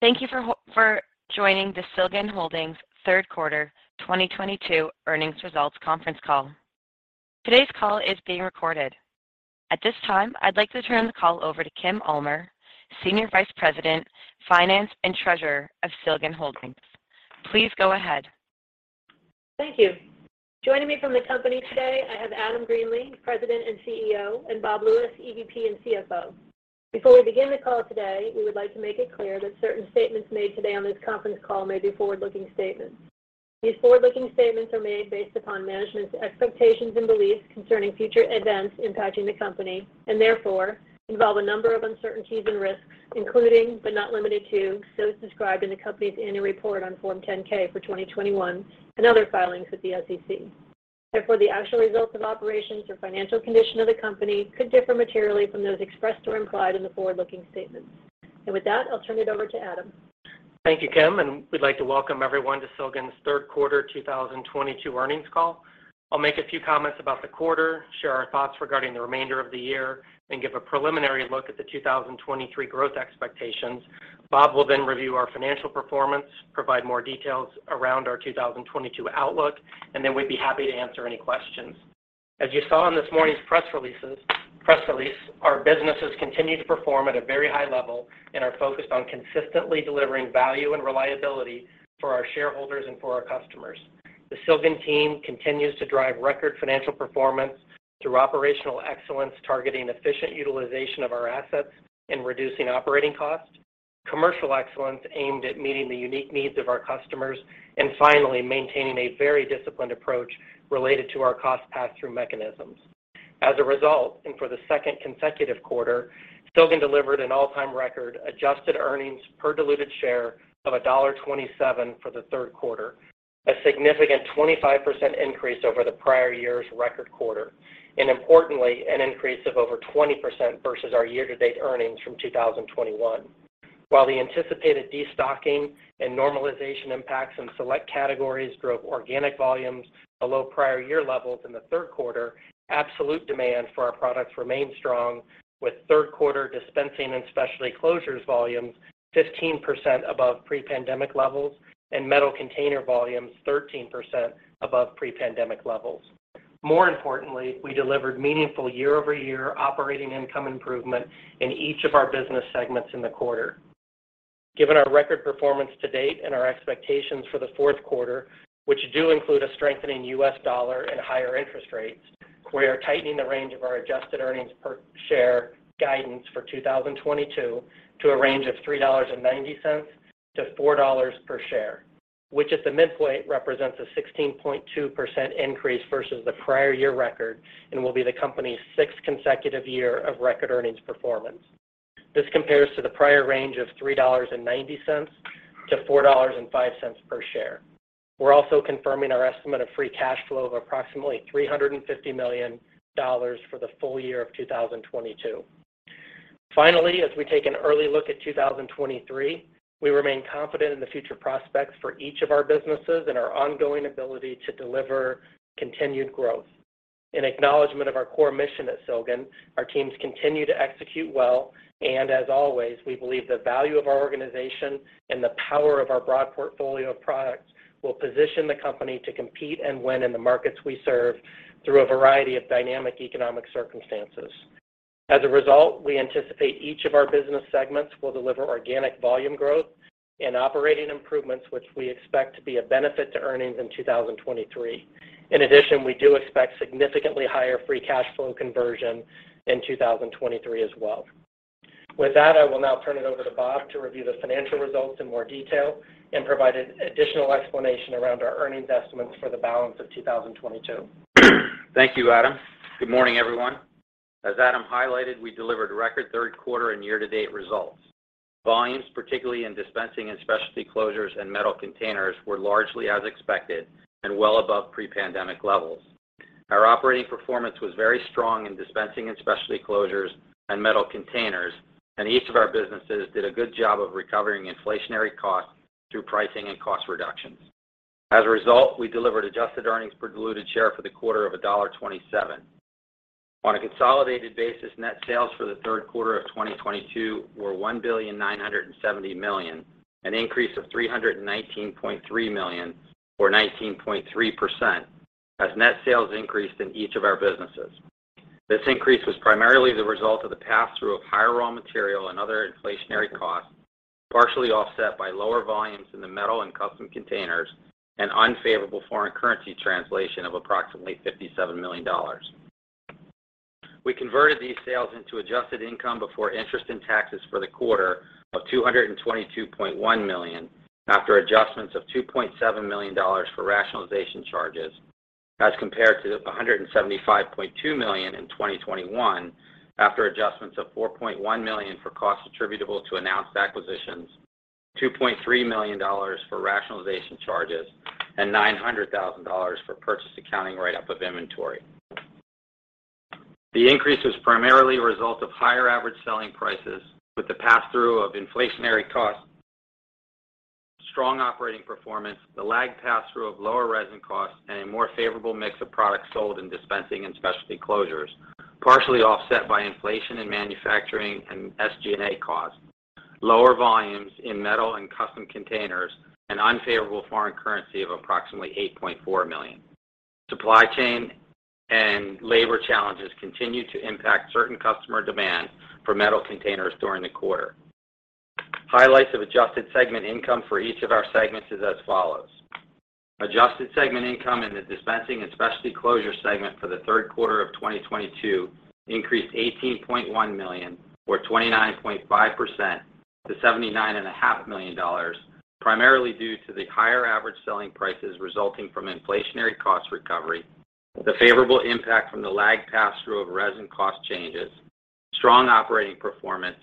Thank you for joining the Silgan Holdings third quarter 2022 earnings results conference call. Today's call is being recorded. At this time, I'd like to turn the call over to Kim Ulmer, Senior Vice President, Finance and Treasurer of Silgan Holdings. Please go ahead. Thank you. Joining me from the company today, I have Adam J. Greenlee, President and CEO, and Robert Lewis, EVP and CFO. Before we begin the call today, we would like to make it clear that certain statements made today on this conference call may be forward-looking statements. These forward-looking statements are made based upon management's expectations and beliefs concerning future events impacting the company and therefore involve a number of uncertainties and risks, including but not limited to those described in the company's annual report on Form 10-K for 2021 and other filings with the SEC. Therefore, the actual results of operations or financial condition of the company could differ materially from those expressed or implied in the forward-looking statements. With that, I'll turn it over to Adam. Thank you, Kim, and we'd like to welcome everyone to Silgan's third quarter 2022 earnings call. I'll make a few comments about the quarter, share our thoughts regarding the remainder of the year, and give a preliminary look at the 2023 growth expectations. Bob will then review our financial performance, provide more details around our 2022 outlook, and then we'd be happy to answer any questions. As you saw in this morning's press release, our businesses continue to perform at a very high level and are focused on consistently delivering value and reliability for our shareholders and for our customers. The Silgan team continues to drive record financial performance through operational excellence, targeting efficient utilization of our assets and reducing operating costs, commercial excellence aimed at meeting the unique needs of our customers, and finally, maintaining a very disciplined approach related to our cost pass-through mechanisms. As a result, for the second consecutive quarter, Silgan delivered an all-time record adjusted earnings per diluted share of $1.27 for the third quarter, a significant 25% increase over the prior year's record quarter, and importantly, an increase of over 20% versus our year-to-date earnings from 2021. While the anticipated destocking and normalization impacts in select categories drove organic volumes below prior year levels in the third quarter, absolute demand for our products remained strong, with third quarter Dispensing and Specialty Closures volumes 15% above pre-pandemic levels and Metal Containers volumes 13% above pre-pandemic levels. More importantly, we delivered meaningful year-over-year operating income improvement in each of our business segments in the quarter. Given our record performance to date and our expectations for the fourth quarter, which do include a strengthening US dollar and higher interest rates, we are tightening the range of our adjusted earnings per share guidance for 2022 to a range of $3.90-$4.00 per share, which at the midpoint represents a 16.2% increase versus the prior year record and will be the company's sixth consecutive year of record earnings performance. This compares to the prior range of $3.90-$4.05 per share. We're also confirming our estimate of free cash flow of approximately $350 million for the full year of 2022. Finally, as we take an early look at 2023, we remain confident in the future prospects for each of our businesses and our ongoing ability to deliver continued growth. In acknowledgment of our core mission at Silgan, our teams continue to execute well, and as always, we believe the value of our organization and the power of our broad portfolio of products will position the company to compete and win in the markets we serve through a variety of dynamic economic circumstances. As a result, we anticipate each of our business segments will deliver organic volume growth and operating improvements, which we expect to be a benefit to earnings in 2023. In addition, we do expect significantly higher free cash flow conversion in 2023 as well. With that, I will now turn it over to Bob to review the financial results in more detail and provide an additional explanation around our earnings estimates for the balance of 2022. Thank you, Adam. Good morning, everyone. As Adam highlighted, we delivered record third quarter and year-to-date results. Volumes, particularly in dispensing and specialty closures and metal containers, were largely as expected and well above pre-pandemic levels. Our operating performance was very strong in dispensing and specialty closures and metal containers, and each of our businesses did a good job of recovering inflationary costs through pricing and cost reductions. As a result, we delivered adjusted earnings per diluted share for the quarter of $1.27. On a consolidated basis, net sales for the third quarter of 2022 were $1.97 billion, an increase of $319.3 million or 19.3% as net sales increased in each of our businesses. This increase was primarily the result of the pass-through of higher raw material and other inflationary costs, partially offset by lower volumes in the Metal and Custom Containers and unfavorable foreign currency translation of approximately $57 million. We converted these sales into adjusted income before interest and taxes for the quarter of $222.1 million after adjustments of $2.7 million for rationalization charges as compared to the $175.2 million in 2021 after adjustments of $4.1 million for costs attributable to announced acquisitions, $2.3 million for rationalization charges, and $900,000 for purchase accounting write-up of inventory. The increase was primarily a result of higher average selling prices with the pass-through of inflationary costs. Strong operating performance, the lag pass-through of lower resin costs, and a more favorable mix of products sold in Dispensing and Specialty Closures, partially offset by inflation in manufacturing and SG&A costs, lower volumes in Metal and Custom Containers, and unfavorable foreign currency of approximately $8.4 million. Supply chain and labor challenges continued to impact certain customer demand for Metal Containers during the quarter. Highlights of adjusted segment income for each of our segments is as follows. Adjusted segment income in the Dispensing and Specialty Closures segment for the third quarter of 2022 increased $18.1 million, or 29.5% to $79.5 million, primarily due to the higher average selling prices resulting from inflationary cost recovery, the favorable impact from the lag pass-through of resin cost changes, strong operating performance,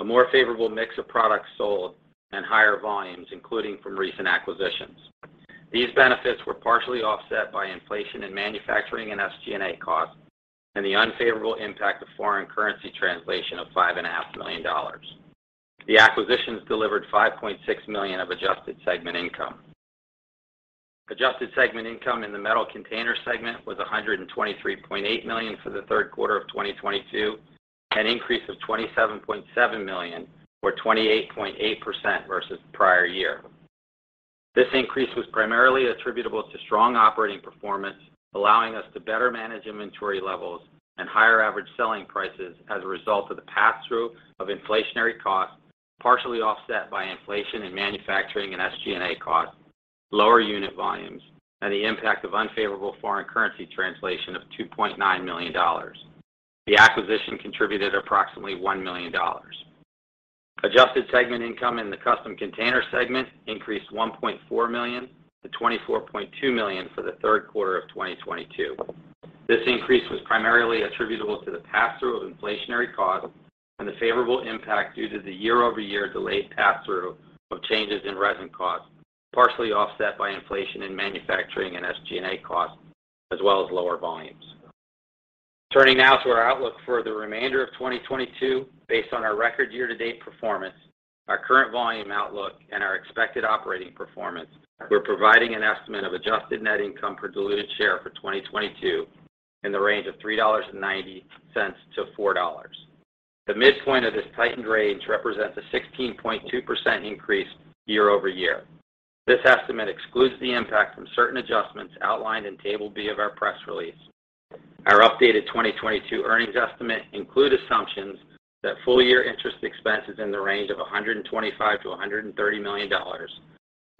a more favorable mix of products sold, and higher volumes, including from recent acquisitions. These benefits were partially offset by inflation in manufacturing and SG&A costs and the unfavorable impact of foreign currency translation of $5.5 million. The acquisitions delivered $5.6 million of adjusted segment income. Adjusted segment income in the Metal Container segment was $123.8 million for the third quarter of 2022, an increase of $27.7 million or 28.8% versus the prior year. This increase was primarily attributable to strong operating performance, allowing us to better manage inventory levels and higher average selling prices as a result of the pass-through of inflationary costs, partially offset by inflation in manufacturing and SG&A costs, lower unit volumes, and the impact of unfavorable foreign currency translation of $2.9 million. The acquisition contributed approximately $1 million. Adjusted segment income in the Custom Container segment increased $1.4 million to $24.2 million for the third quarter of 2022. This increase was primarily attributable to the pass-through of inflationary costs and the favorable impact due to the year-over-year delayed pass-through of changes in resin costs, partially offset by inflation in manufacturing and SG&A costs, as well as lower volumes. Turning now to our outlook for the remainder of 2022, based on our record year-to-date performance, our current volume outlook, and our expected operating performance, we're providing an estimate of adjusted net income per diluted share for 2022 in the range of $3.90-$4. The midpoint of this tightened range represents a 16.2% increase year-over-year. This estimate excludes the impact from certain adjustments outlined in Table B of our press release. Our updated 2022 earnings estimate includes assumptions that full-year interest expense is in the range of $125 million-$130 million,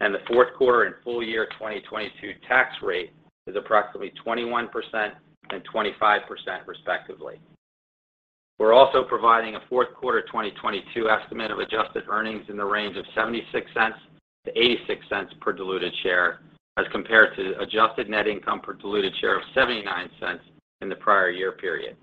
and the fourth quarter and full year 2022 tax rate is approximately 21% and 25% respectively. We're also providing a fourth quarter 2022 estimate of adjusted earnings in the range of $0.76-$0.86 per diluted share as compared to adjusted net income per diluted share of $0.79 in the prior year period.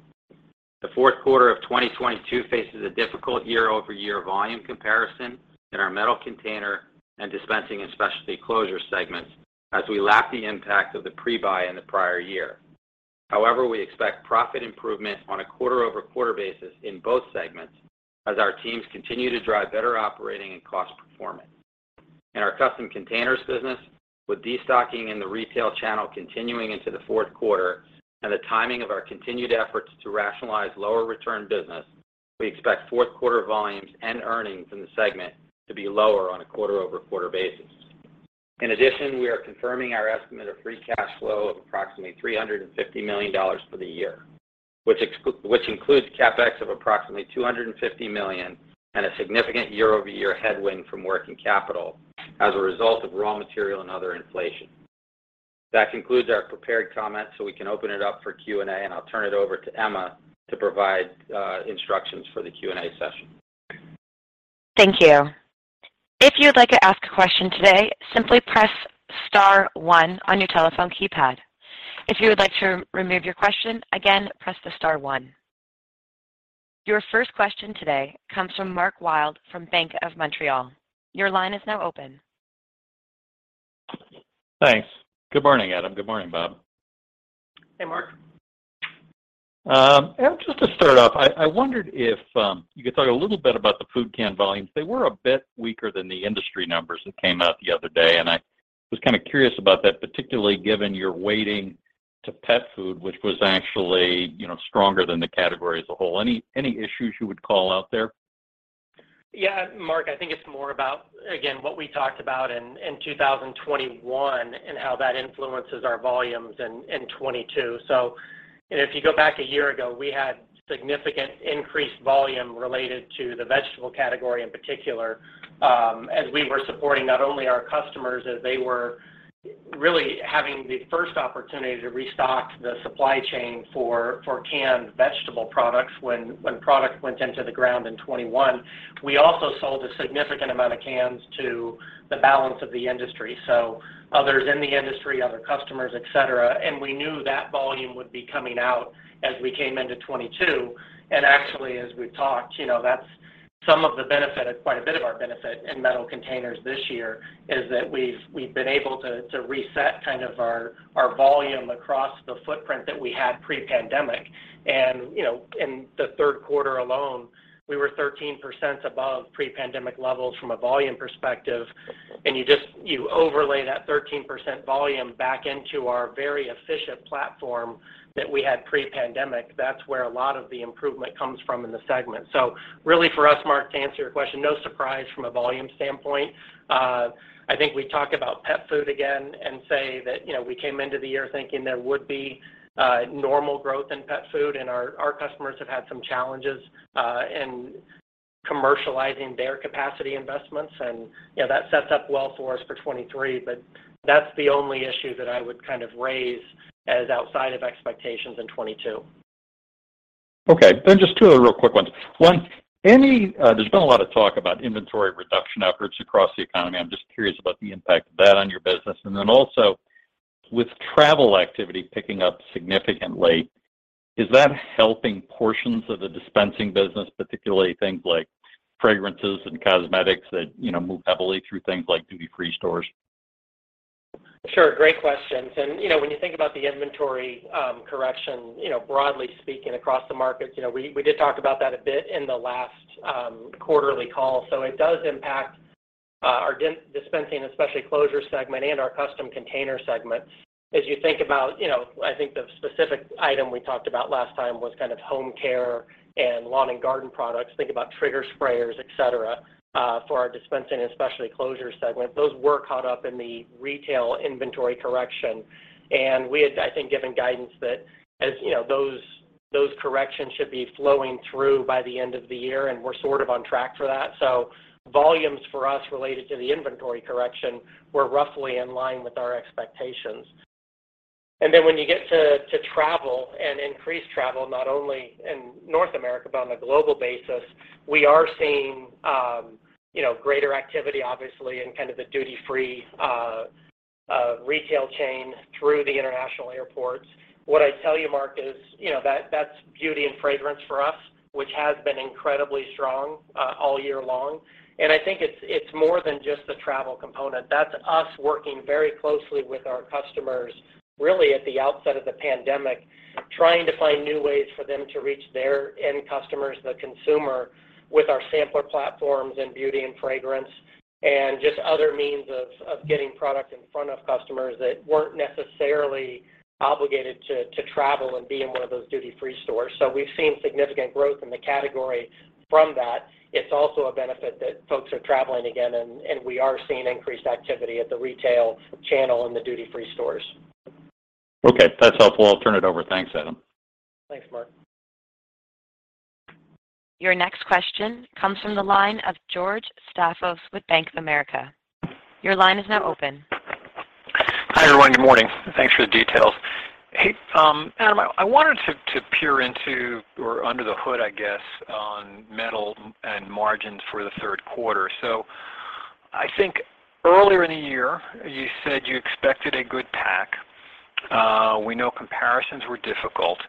The fourth quarter of 2022 faces a difficult year-over-year volume comparison in our Metal Containers and Dispensing and Specialty Closures segments as we lap the impact of the pre-buy in the prior year. However, we expect profit improvement on a quarter-over-quarter basis in both segments as our teams continue to drive better operating and cost performance. In our custom containers business, with destocking in the retail channel continuing into the fourth quarter and the timing of our continued efforts to rationalize lower return business, we expect fourth quarter volumes and earnings in the segment to be lower on a quarter-over-quarter basis. In addition, we are confirming our estimate of free cash flow of approximately $350 million for the year, which which includes CapEx of approximately $250 million and a significant year-over-year headwind from working capital as a result of raw material and other inflation. That concludes our prepared comments, so we can open it up for Q&A, and I'll turn it over to Emma to provide instructions for the Q&A session. Thank you. If you would like to ask a question today, simply press star one on your telephone keypad. If you would like to remove your question, again, press the star one. Your first question today comes from Mark Wilde from Bank of Montreal. Your line is now open. Thanks. Good morning, Adam. Good morning, Bob. Hey, Mark. Just to start off, I wondered if you could talk a little bit about the food can volumes. They were a bit weaker than the industry numbers that came out the other day, and I was kind of curious about that, particularly given your weighting to pet food, which was actually, you know, stronger than the category as a whole. Any issues you would call out there? Yeah, Mark, I think it's more about, again, what we talked about in 2021 and how that influences our volumes in 2022. If you go back a year ago, we had significant increased volume related to the vegetable category in particular, as we were supporting not only our customers as they were really having the first opportunity to restock the supply chain for canned vegetable products when product went into the ground in 2021. We also sold a significant amount of cans to the balance of the industry, so others in the industry, other customers, et cetera, and we knew that volume would be coming out as we came into 2022. Actually, as we've talked, you know, that's some of the benefit. Quite a bit of our benefit in Metal Containers this year is that we've been able to reset kind of our volume across the footprint that we had pre-pandemic. You know, in the third quarter alone, we were 13% above pre-pandemic levels from a volume perspective. You overlay that 13% volume back into our very efficient platform that we had pre-pandemic, that's where a lot of the improvement comes from in the segment. Really for us, Mark, to answer your question, no surprise from a volume standpoint. I think we talk about pet food again and say that, you know, we came into the year thinking there would be normal growth in pet food, and our customers have had some challenges in commercializing their capacity investments. You know, that sets up well for us for 2023. That's the only issue that I would kind of raise as outside of expectations in 2022. Okay. Just two other real quick ones. One, there's been a lot of talk about inventory reduction efforts across the economy. I'm just curious about the impact of that on your business. With travel activity picking up significantly, is that helping portions of the dispensing business, particularly things like fragrances and cosmetics that, you know, move heavily through things like duty-free stores? Sure. Great questions. You know, when you think about the inventory correction, you know, broadly speaking, across the markets, you know, we did talk about that a bit in the last quarterly call. It does impact our dispensing specialty closure segment and our custom container segment. As you think about, you know, I think the specific item we talked about last time was kind of home care and lawn and garden products. Think about trigger sprayers, et cetera, for our dispensing specialty closure segment. Those were caught up in the retail inventory correction. We had, I think, given guidance that as, you know, those corrections should be flowing through by the end of the year, and we're sort of on track for that. Volumes for us related to the inventory correction were roughly in line with our expectations. When you get to travel and increased travel, not only in North America, but on a global basis, we are seeing you know, greater activity, obviously, in kind of the duty-free retail chain through the international airports. What I'd tell you, Mark, is you know, that's beauty and fragrance for us, which has been incredibly strong all year long. I think it's more than just the travel component. That's us working very closely with our customers, really at the outset of the pandemic, trying to find new ways for them to reach their end customers, the consumer, with our sampler platforms in beauty and fragrance and just other means of getting product in front of customers that weren't necessarily obligated to travel and be in one of those duty-free stores. We've seen significant growth in the category from that. It's also a benefit that folks are traveling again, and we are seeing increased activity at the retail channel in the duty-free stores. Okay. That's helpful. I'll turn it over. Thanks, Adam. Thanks, Mark. Your next question comes from the line of George Staphos with Bank of America. Your line is now open. Hi, everyone. Good morning. Thanks for the details. Hey, Adam, I wanted to peer into or under the hood, I guess, on metal and margins for the third quarter. I think earlier in the year, you said you expected a good pack. We know comparisons were difficult.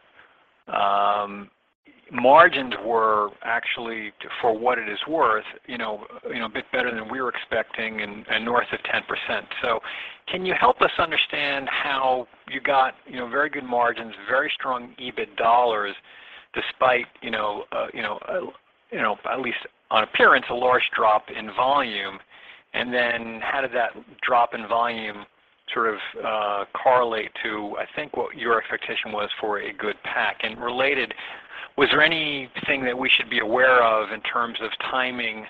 Margins were actually, for what it is worth, you know, a bit better than we were expecting and north of 10%. Can you help us understand how you got, you know, very good margins, very strong EBIT dollars despite, you know, at least on appearance, a large drop in volume? And then how did that drop in volume sort of correlate to, I think, what your expectation was for a good pack? Related, was there anything that we should be aware of in terms of timing,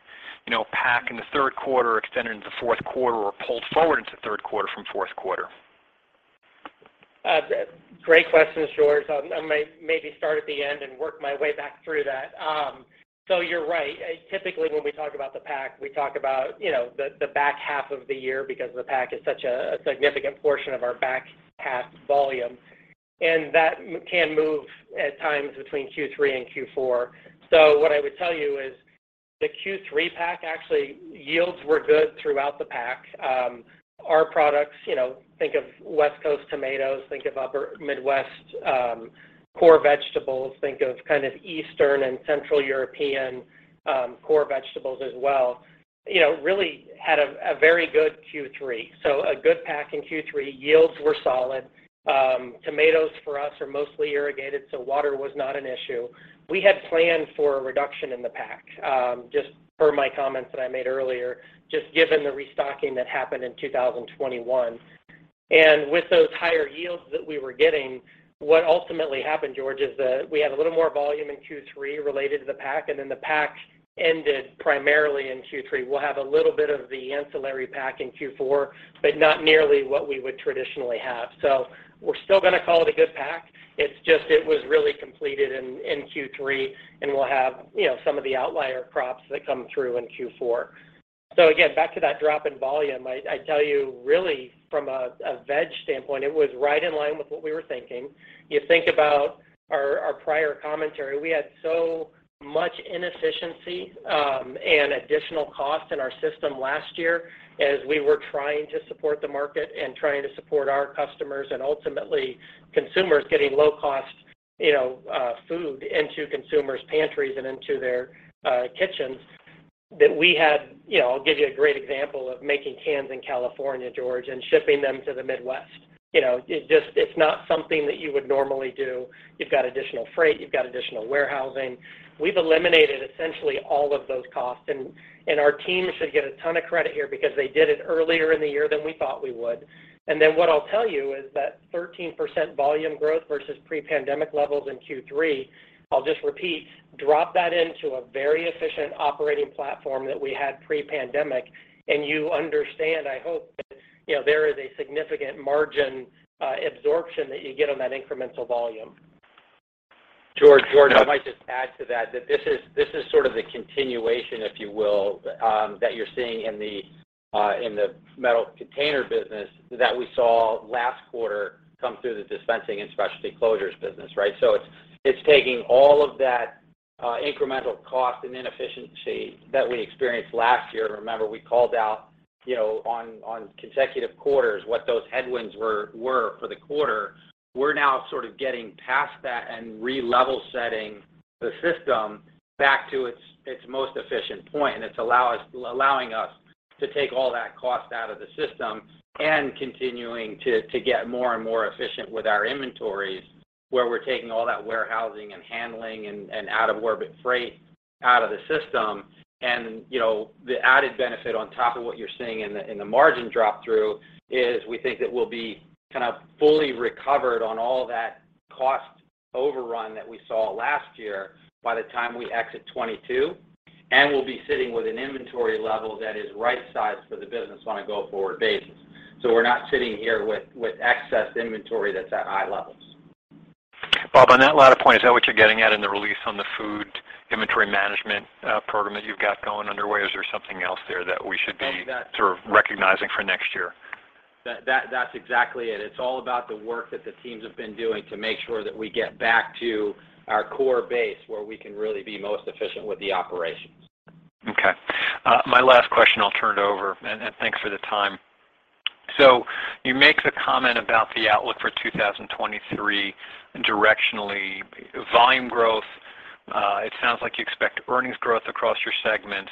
you know, pack in the third quarter extending into fourth quarter or pulled forward into third quarter from fourth quarter? Great questions, George. I'll maybe start at the end and work my way back through that. So you're right. Typically, when we talk about the pack, we talk about, you know, the back half of the year because the pack is such a significant portion of our back half volume, and that can move at times between Q3 and Q4. So what I would tell you is the Q3 pack actually yields were good throughout the pack. Our products, you know, think of West Coast tomatoes, think of upper Midwest, core vegetables, think of kind of Eastern and Central European, core vegetables as well, you know, really had a very good Q3. So a good pack in Q3. Yields were solid. Tomatoes for us are mostly irrigated, so water was not an issue. We had planned for a reduction in the pack, just per my comments that I made earlier, just given the restocking that happened in 2021. With those higher yields that we were getting, what ultimately happened, George Staphos, is that we had a little more volume in Q3 related to the pack, and then the pack ended primarily in Q3. We'll have a little bit of the ancillary pack in Q4, but not nearly what we would traditionally have. We're still gonna call it a good pack. It's just, it was really completed in Q3, and we'll have, you know, some of the outlier crops that come through in Q4. Again, back to that drop in volume, I tell you really from a veg standpoint, it was right in line with what we were thinking. You think about our prior commentary. We had so much inefficiency and additional cost in our system last year as we were trying to support the market and trying to support our customers and ultimately consumers getting low cost, you know, food into consumers' pantries and into their kitchens that we had, you know, I'll give you a great example of making cans in California, George, and shipping them to the Midwest. You know, it just, it's not something that you would normally do. You've got additional freight, you've got additional warehousing. We've eliminated essentially all of those costs, and our team should get a ton of credit here because they did it earlier in the year than we thought we would. What I'll tell you is that 13% volume growth versus pre-pandemic levels in Q3, I'll just repeat, drop that into a very efficient operating platform that we had pre-pandemic, and you understand, I hope, that, you know, there is a significant margin absorption that you get on that incremental volume. George, I might just add to that this is sort of the continuation, if you will, that you're seeing in the Metal Containers business that we saw last quarter come through the Dispensing and Specialty Closures business, right? It's taking all of that incremental cost and inefficiency that we experienced last year. Remember, we called out, you know, on consecutive quarters what those headwinds were for the quarter. We're now sort of getting past that and re-level setting the system back to its most efficient point, and it's allowing us to take all that cost out of the system and continuing to get more and more efficient with our inventories, where we're taking all that warehousing and handling and outbound freight out of the system. You know, the added benefit on top of what you're seeing in the margin drop through is we think that we'll be kind of fully recovered on all that cost overrun that we saw last year by the time we exit 2022. We'll be sitting with an inventory level that is right sized for the business on a go-forward basis. We're not sitting here with excess inventory that's at high levels. Bob, on that latter point, is that what you're getting at in the release on the food inventory management, program that you've got going underway? Is there something else there that we should be sort of recognizing for next year? That's exactly it. It's all about the work that the teams have been doing to make sure that we get back to our core base where we can really be most efficient with the operations. Okay. My last question, I'll turn it over. Thanks for the time. You make the comment about the outlook for 2023 directionally. Volume growth, it sounds like you expect earnings growth across your segments,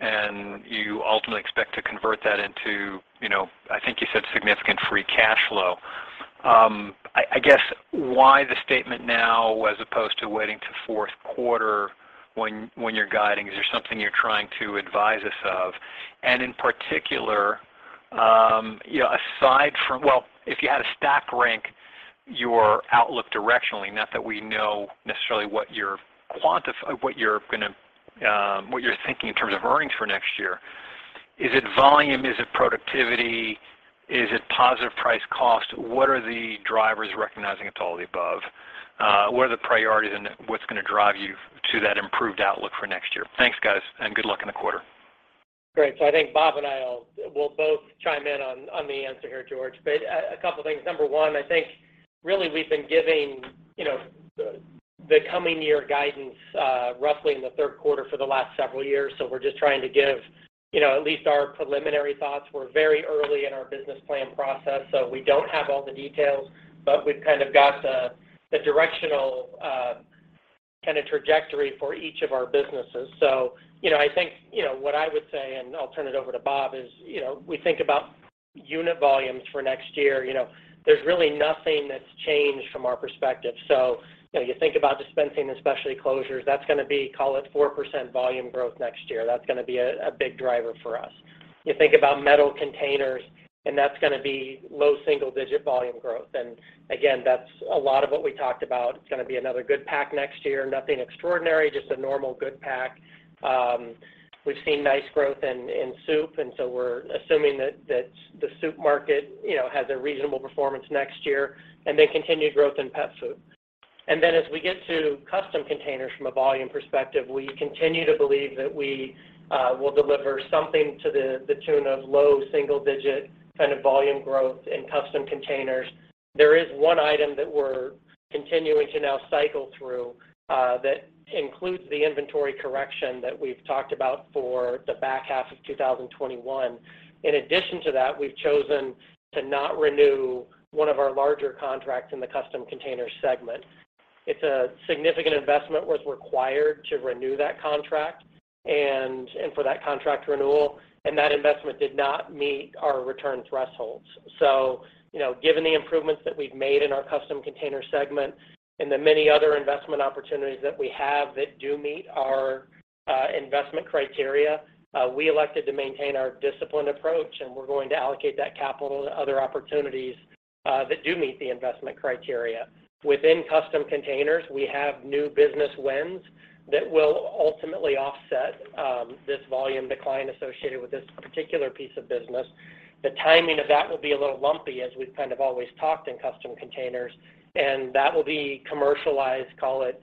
and you ultimately expect to convert that into, you know, I think you said significant free cash flow. I guess why the statement now as opposed to waiting till fourth quarter when you're guiding? Is there something you're trying to advise us of? In particular, you know, aside from. Well, if you had to stack rank your outlook directionally, not that we know necessarily what you're gonna, what you're thinking in terms of earnings for next year. Is it volume? Is it productivity? Is it positive price cost? What are the drivers recognizing it's all of the above? What are the priorities and what's gonna drive you to that improved outlook for next year? Thanks, guys, and good luck in the quarter. Great. I think Bob and I will both chime in on the answer here, George. A couple things. Number one, I think really we've been giving you know the coming year guidance roughly in the third quarter for the last several years. We're just trying to give you know at least our preliminary thoughts. We're very early in our business plan process, so we don't have all the details, but we've kind of got the directional kind of trajectory for each of our businesses. You know I think you know what I would say, and I'll turn it over to Bob, is you know we think about unit volumes for next year. You know there's really nothing that's changed from our perspective. You know, you think about Dispensing and Specialty Closures, that's gonna be, call it 4% volume growth next year. That's gonna be a big driver for us. You think about Metal Containers, and that's gonna be low single digit volume growth. Again, that's a lot of what we talked about. It's gonna be another good pack next year. Nothing extraordinary, just a normal good pack. We've seen nice growth in soup, and we're assuming that the soup market, you know, has a reasonable performance next year. Then continued growth in pet food. Then as we get to Custom Containers from a volume perspective, we continue to believe that we will deliver something to the tune of low single digit kind of volume growth in Custom Containers. There is one item that we're continuing to now cycle through, that includes the inventory correction that we've talked about for the back half of 2021. In addition to that, we've chosen to not renew one of our larger contracts in the Custom Containers segment. It's a significant investment was required to renew that contract and for that contract renewal, and that investment did not meet our return thresholds. You know, given the improvements that we've made in our Custom Containers segment and the many other investment opportunities that we have that do meet our investment criteria, we elected to maintain our disciplined approach, and we're going to allocate that capital to other opportunities that do meet the investment criteria. Within Custom Containers, we have new business wins that will ultimately offset this volume decline associated with this particular piece of business. The timing of that will be a little lumpy, as we've kind of always talked in Custom Containers, and that will be commercialized, call it,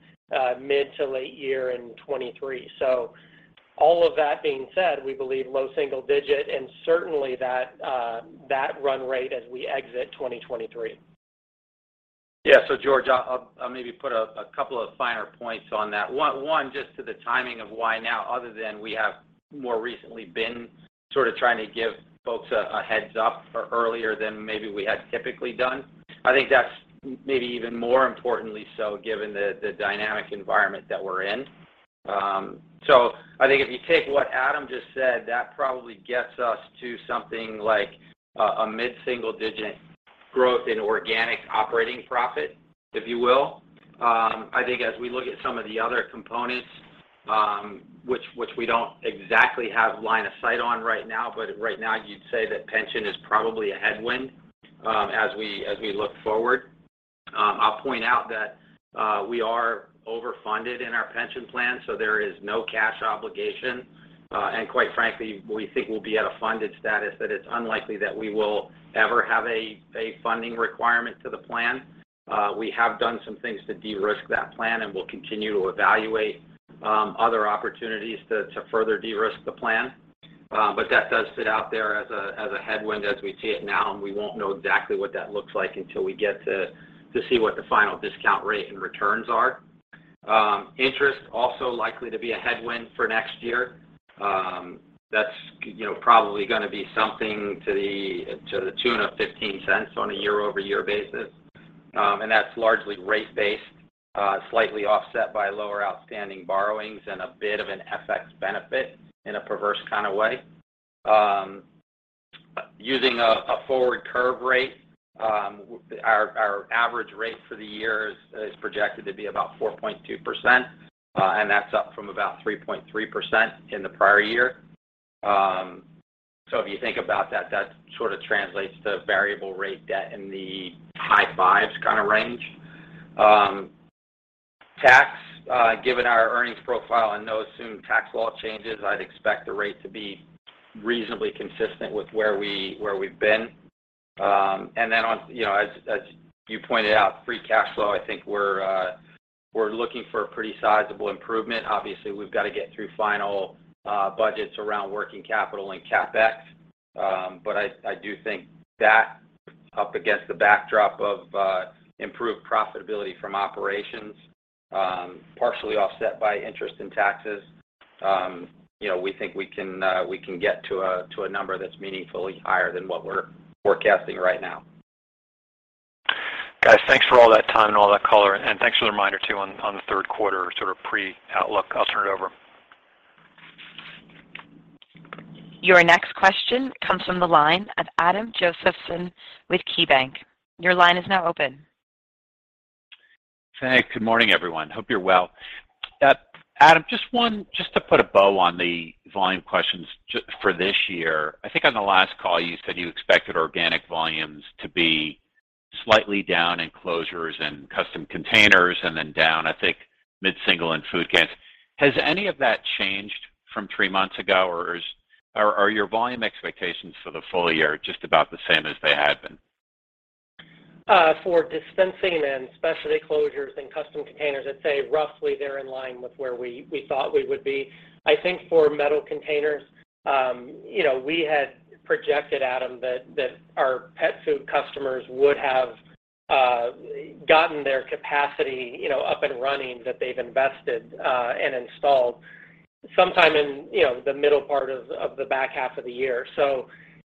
mid- to late-year in 2023. All of that being said, we believe low single digit and certainly that run rate as we exit 2023. Yeah. George, I'll maybe put a couple of finer points on that. One, just to the timing of why now other than we have more recently been sort of trying to give folks a heads up earlier than maybe we had typically done. I think that's maybe even more importantly so given the dynamic environment that we're in. I think if you take what Adam just said, that probably gets us to something like a mid-single digit growth in organic operating profit, if you will. I think as we look at some of the other components, which we don't exactly have line of sight on right now, but right now you'd say that pension is probably a headwind, as we look forward. I'll point out that we are over-funded in our pension plan, so there is no cash obligation. Quite frankly, we think we'll be at a funded status that it's unlikely that we will ever have a funding requirement to the plan. We have done some things to de-risk that plan, and we'll continue to evaluate other opportunities to further de-risk the plan. That does sit out there as a headwind as we see it now, and we won't know exactly what that looks like until we get to see what the final discount rate and returns are. Interest also likely to be a headwind for next year. That's, you know, probably gonna be something to the tune of $0.15 on a year-over-year basis. That's largely rate-based, slightly offset by lower outstanding borrowings and a bit of an FX benefit in a perverse kind of way. Using a forward curve rate, our average rate for the year is projected to be about 4.2%, and that's up from about 3.3% in the prior year. If you think about that sort of translates to variable rate debt in the high fives kinda range. Tax, given our earnings profile and no assumed tax law changes, I'd expect the rate to be reasonably consistent with where we've been. You know, as you pointed out, free cash flow, I think we're looking for a pretty sizable improvement. Obviously, we've got to get through final budgets around working capital and CapEx. I do think that up against the backdrop of improved profitability from operations, partially offset by interest in taxes, you know, we think we can get to a number that's meaningfully higher than what we're forecasting right now. Guys, thanks for all that time and all that color, and thanks for the reminder too on the third quarter, sort of pre-outlook. I'll turn it over. Your next question comes from the line of Adam Josephson with KeyBank. Your line is now open. Thanks. Good morning, everyone. Hope you're well. Adam, just to put a bow on the volume questions for this year. I think on the last call you said you expected organic volumes to be slightly down in closures and custom containers and then down, I think, mid-single in food cans. Has any of that changed from three months ago, or are your volume expectations for the full year just about the same as they had been? For Dispensing and Specialty Closures and Custom Containers, I'd say roughly they're in line with where we thought we would be. I think for Metal Containers, you know, we had projected, Adam, that our pet food customers would have gotten their capacity, you know, up and running that they've invested and installed sometime in, you know, the middle part of the back half of the year.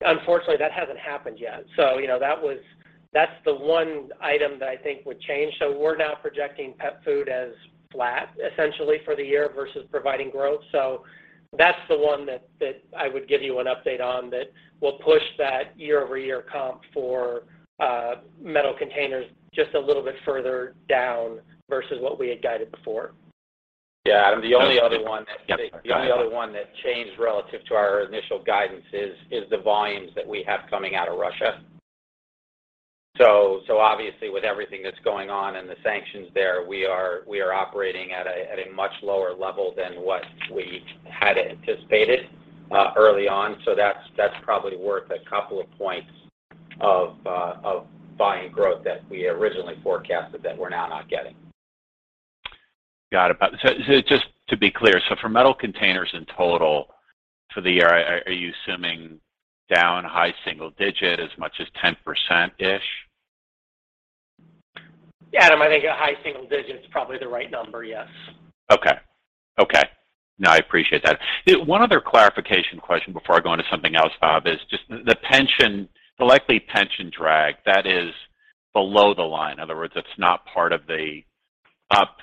Unfortunately, that hasn't happened yet. You know, that's the one item that I think would change. We're now projecting pet food as flat, essentially, for the year versus providing growth. That's the one that I would give you an update on that will push that year-over-year comp for Metal Containers just a little bit further down versus what we had guided before. Yeah, Adam, the only other one that- Yes, sir. Go ahead. The only other one that changed relative to our initial guidance is the volumes that we have coming out of Russia. Obviously with everything that's going on and the sanctions there, we are operating at a much lower level than what we had anticipated early on. That's probably worth a couple of points of volume growth that we originally forecasted that we're now not getting. Got it. Just to be clear, so for Metal Containers in total for the year, are you assuming down high single digit as much as 10%-ish? Adam, I think a high single digit is probably the right number, yes. Okay. No, I appreciate that. One other clarification question before I go on to something else, Bob, is just the pension, the likely pension drag that is below the line. In other words, it's not part of the up,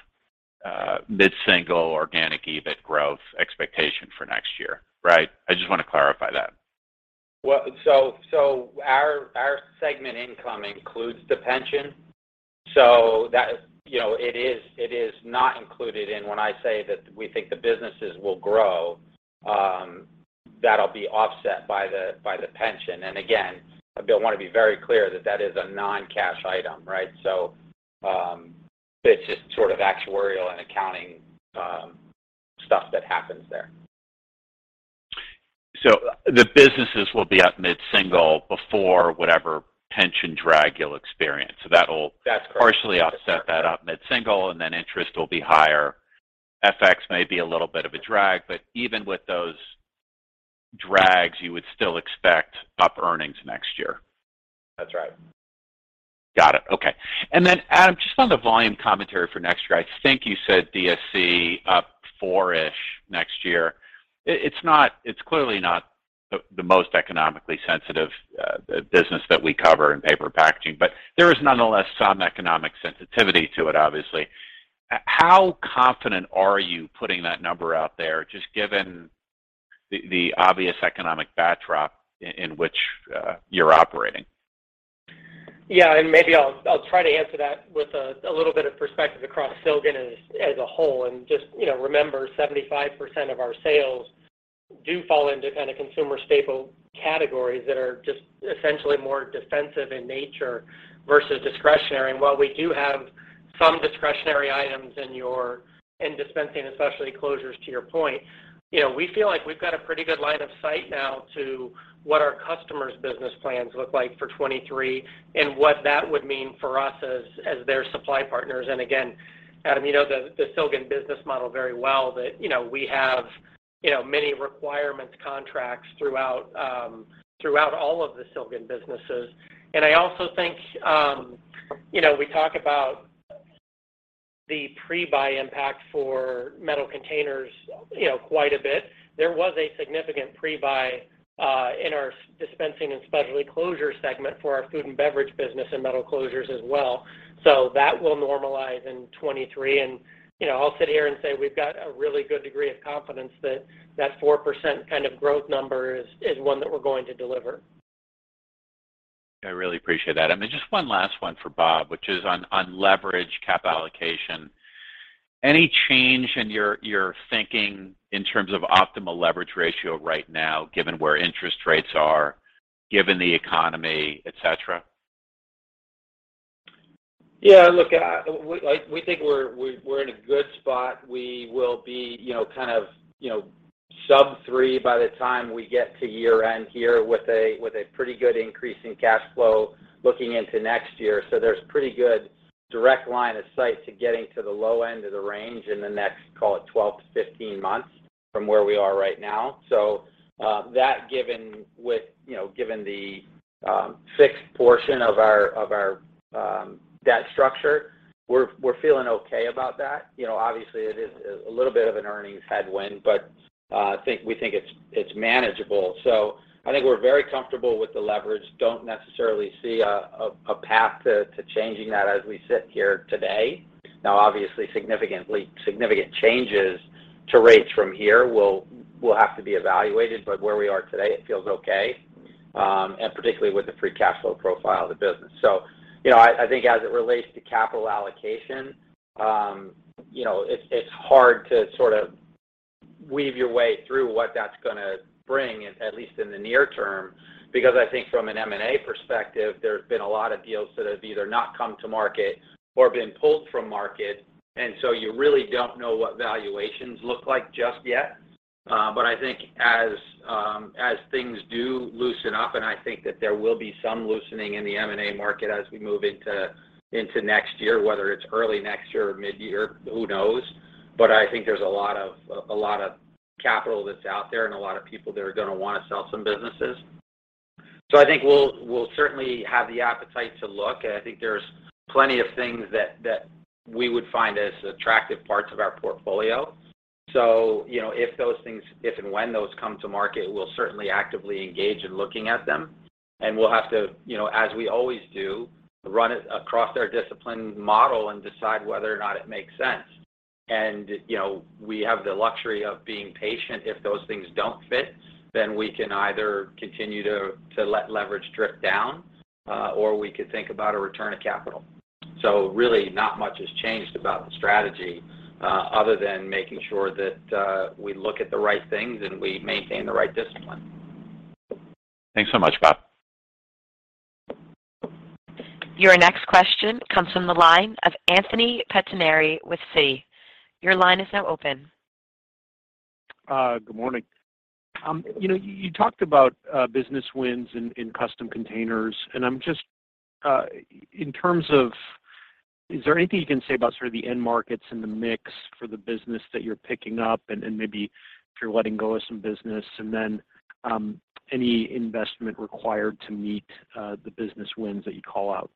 mid-single organic EBIT growth expectation for next year, right? I just wanna clarify that. Our segment income includes the pension. That, you know, it is not included in when I say that we think the businesses will grow. That'll be offset by the pension. Again, I do wanna be very clear that that is a non-cash item, right? It's just sort of actuarial and accounting stuff that happens there. The businesses will be at mid-single before whatever pension drag you'll experience. That's correct. Partially offset that up mid-single, and then interest will be higher. FX may be a little bit of a drag, but even with those drags, you would still expect up earnings next year. That's right. Got it. Okay. Adam, just on the volume commentary for next year, I think you said DSC up four-ish next year. It's clearly not the most economically sensitive business that we cover in paper packaging. There is nonetheless some economic sensitivity to it, obviously. How confident are you putting that number out there, just given the obvious economic backdrop in which you're operating? Yeah, maybe I'll try to answer that with a little bit of perspective across Silgan as a whole. Just you know, remember 75% of our sales do fall into kind of consumer staple categories that are just essentially more defensive in nature versus discretionary. While we do have some discretionary items in dispensing, especially closures to your point, you know, we feel like we've got a pretty good line of sight now to what our customers' business plans look like for 2023 and what that would mean for us as their supply partners. Again, Adam, you know the Silgan business model very well, that you know, we have you know, many requirements contracts throughout all of the Silgan businesses. I also think, you know, we talk about the pre-buy impact for Metal Containers, you know, quite a bit. There was a significant pre-buy in our Dispensing and Specialty Closures segment for our food and beverage business and metal closures as well. That will normalize in 2023. You know, I'll sit here and say we've got a really good degree of confidence that that 4% kind of growth number is one that we're going to deliver. I really appreciate that. Then just one last one for Bob, which is on leverage capital allocation. Any change in your thinking in terms of optimal leverage ratio right now given where interest rates are, given the economy, et cetera? Yeah, look, like we think we're in a good spot. We will be, you know, kind of, you know, sub 3 by the time we get to year-end here with a pretty good increase in cash flow looking into next year. There's pretty good direct line of sight to getting to the low end of the range in the next, call it, 12-15 months from where we are right now. That given with, you know, given the fixed portion of our debt structure, we're feeling okay about that. You know, obviously it is a little bit of an earnings headwind, but I think we think it's manageable. I think we're very comfortable with the leverage. Don't necessarily see a path to changing that as we sit here today. Now, obviously, significant changes to rates from here will have to be evaluated, but where we are today, it feels okay, and particularly with the free cash flow profile of the business. You know, I think as it relates to capital allocation, you know, it's hard to sort of weave your way through what that's gonna bring, at least in the near term, because I think from an M&A perspective, there's been a lot of deals that have either not come to market or been pulled from market. You really don't know what valuations look like just yet. But I think as things do loosen up, and I think that there will be some loosening in the M&A market as we move into next year, whether it's early next year or mid-year, who knows? I think there's a lot of capital that's out there and a lot of people that are gonna wanna sell some businesses. I think we'll certainly have the appetite to look. I think there's plenty of things that we would find as attractive parts of our portfolio. You know, if those things if and when those come to market, we'll certainly actively engage in looking at them. We'll have to, you know, as we always do, run it across our discipline model and decide whether or not it makes sense. You know, we have the luxury of being patient. If those things don't fit, then we can either continue to let leverage drip down, or we could think about a return of capital. Really not much has changed about the strategy, other than making sure that we look at the right things and we maintain the right discipline. Thanks so much, Bob. Your next question comes from the line of Anthony Pettinari with Citi. Your line is now open. Good morning. You talked about business wins in Custom Containers. Is there anything you can say about sort of the end markets and the mix for the business that you're picking up and maybe if you're letting go of some business? Any investment required to meet the business wins that you call out?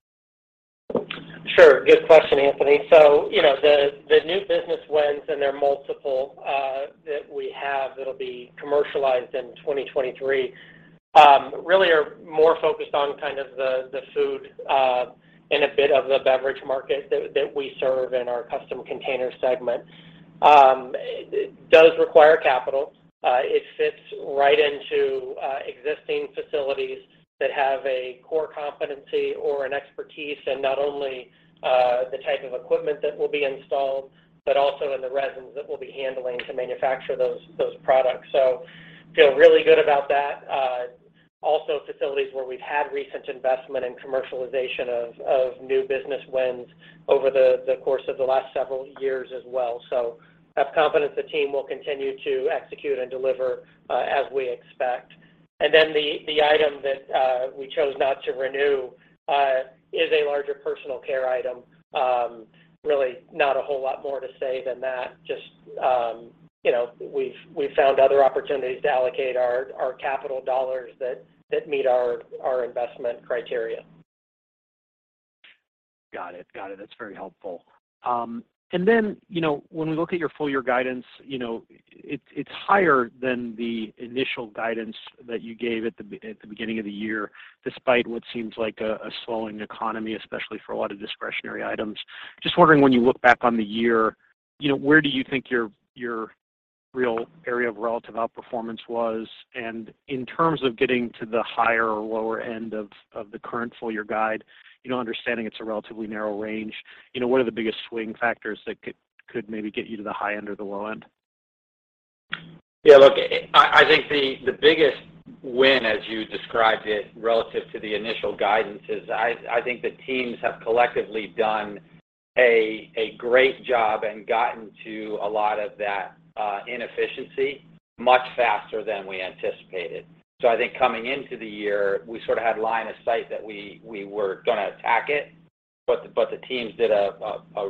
Sure. Good question, Anthony. You know, the new business wins, and there are multiple that we have that'll be commercialized in 2023, really are more focused on kind of the food and a bit of the beverage market that we serve in our Custom Containers segment. It does require capital. It fits right into existing facilities that have a core competency or an expertise in not only the type of equipment that will be installed, but also in the resins that we'll be handling to manufacture those products. Feel really good about that. Also facilities where we've had recent investment and commercialization of new business wins over the course of the last several years as well. Have confidence the team will continue to execute and deliver as we expect. The item that we chose not to renew is a larger personal care item. Really not a whole lot more to say than that. Just you know, we've found other opportunities to allocate our capital dollars that meet our investment criteria. Got it. That's very helpful. You know, when we look at your full year guidance, you know, it's higher than the initial guidance that you gave at the beginning of the year, despite what seems like a slowing economy, especially for a lot of discretionary items. Just wondering, when you look back on the year, you know, where do you think your real area of relative outperformance was? In terms of getting to the higher or lower end of the current full year guide, you know, understanding it's a relatively narrow range. You know, what are the biggest swing factors that could maybe get you to the high end or the low end? Yeah, look, I think the biggest win as you described it relative to the initial guidance is I think the teams have collectively done a great job and gotten to a lot of that inefficiency much faster than we anticipated. I think coming into the year, we sort of had line of sight that we were gonna attack it. The teams did a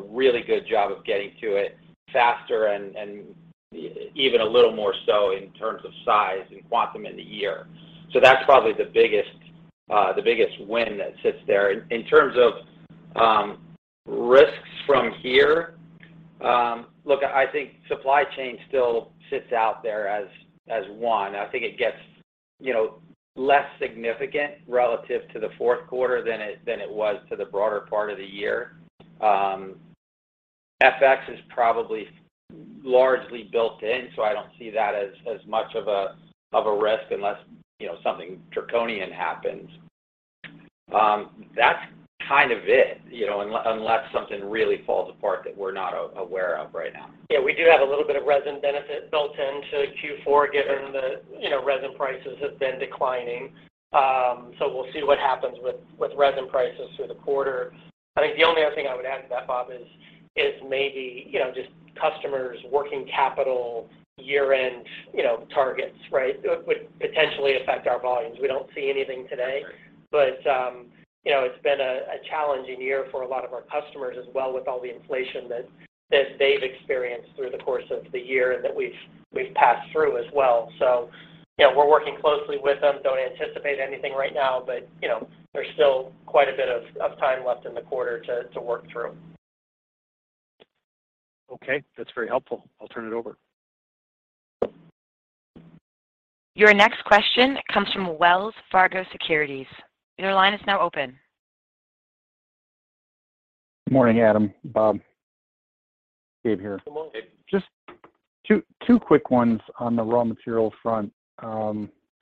really good job of getting to it faster and even a little more so in terms of size and quantum in the year. That's probably the biggest win that sits there. In terms of risks from here, look, I think supply chain still sits out there as one. I think it gets, you know, less significant relative to the fourth quarter than it was to the broader part of the year. FX is probably largely built in, so I don't see that as much of a risk unless, you know, something draconian happens. That's kind of it, you know, unless something really falls apart that we're not aware of right now. Yeah, we do have a little bit of resin benefit built into Q4 given the, you know, resin prices have been declining. We'll see what happens with resin prices through the quarter. I think the only other thing I would add to that, Bob, is maybe, you know, just customers working capital year-end, you know, targets, right? It would potentially affect our volumes. We don't see anything today. Sure. It's been a challenging year for a lot of our customers as well with all the inflation that they've experienced through the course of the year and that we've passed through as well. You know, we're working closely with them. Don't anticipate anything right now, but you know, there's still quite a bit of time left in the quarter to work through. Okay. That's very helpful. I'll turn it over. Your next question comes from Wells Fargo Securities. Your line is now open. Morning, Adam, Bob. Gabe here. Good morning. Just two quick ones on the raw material front.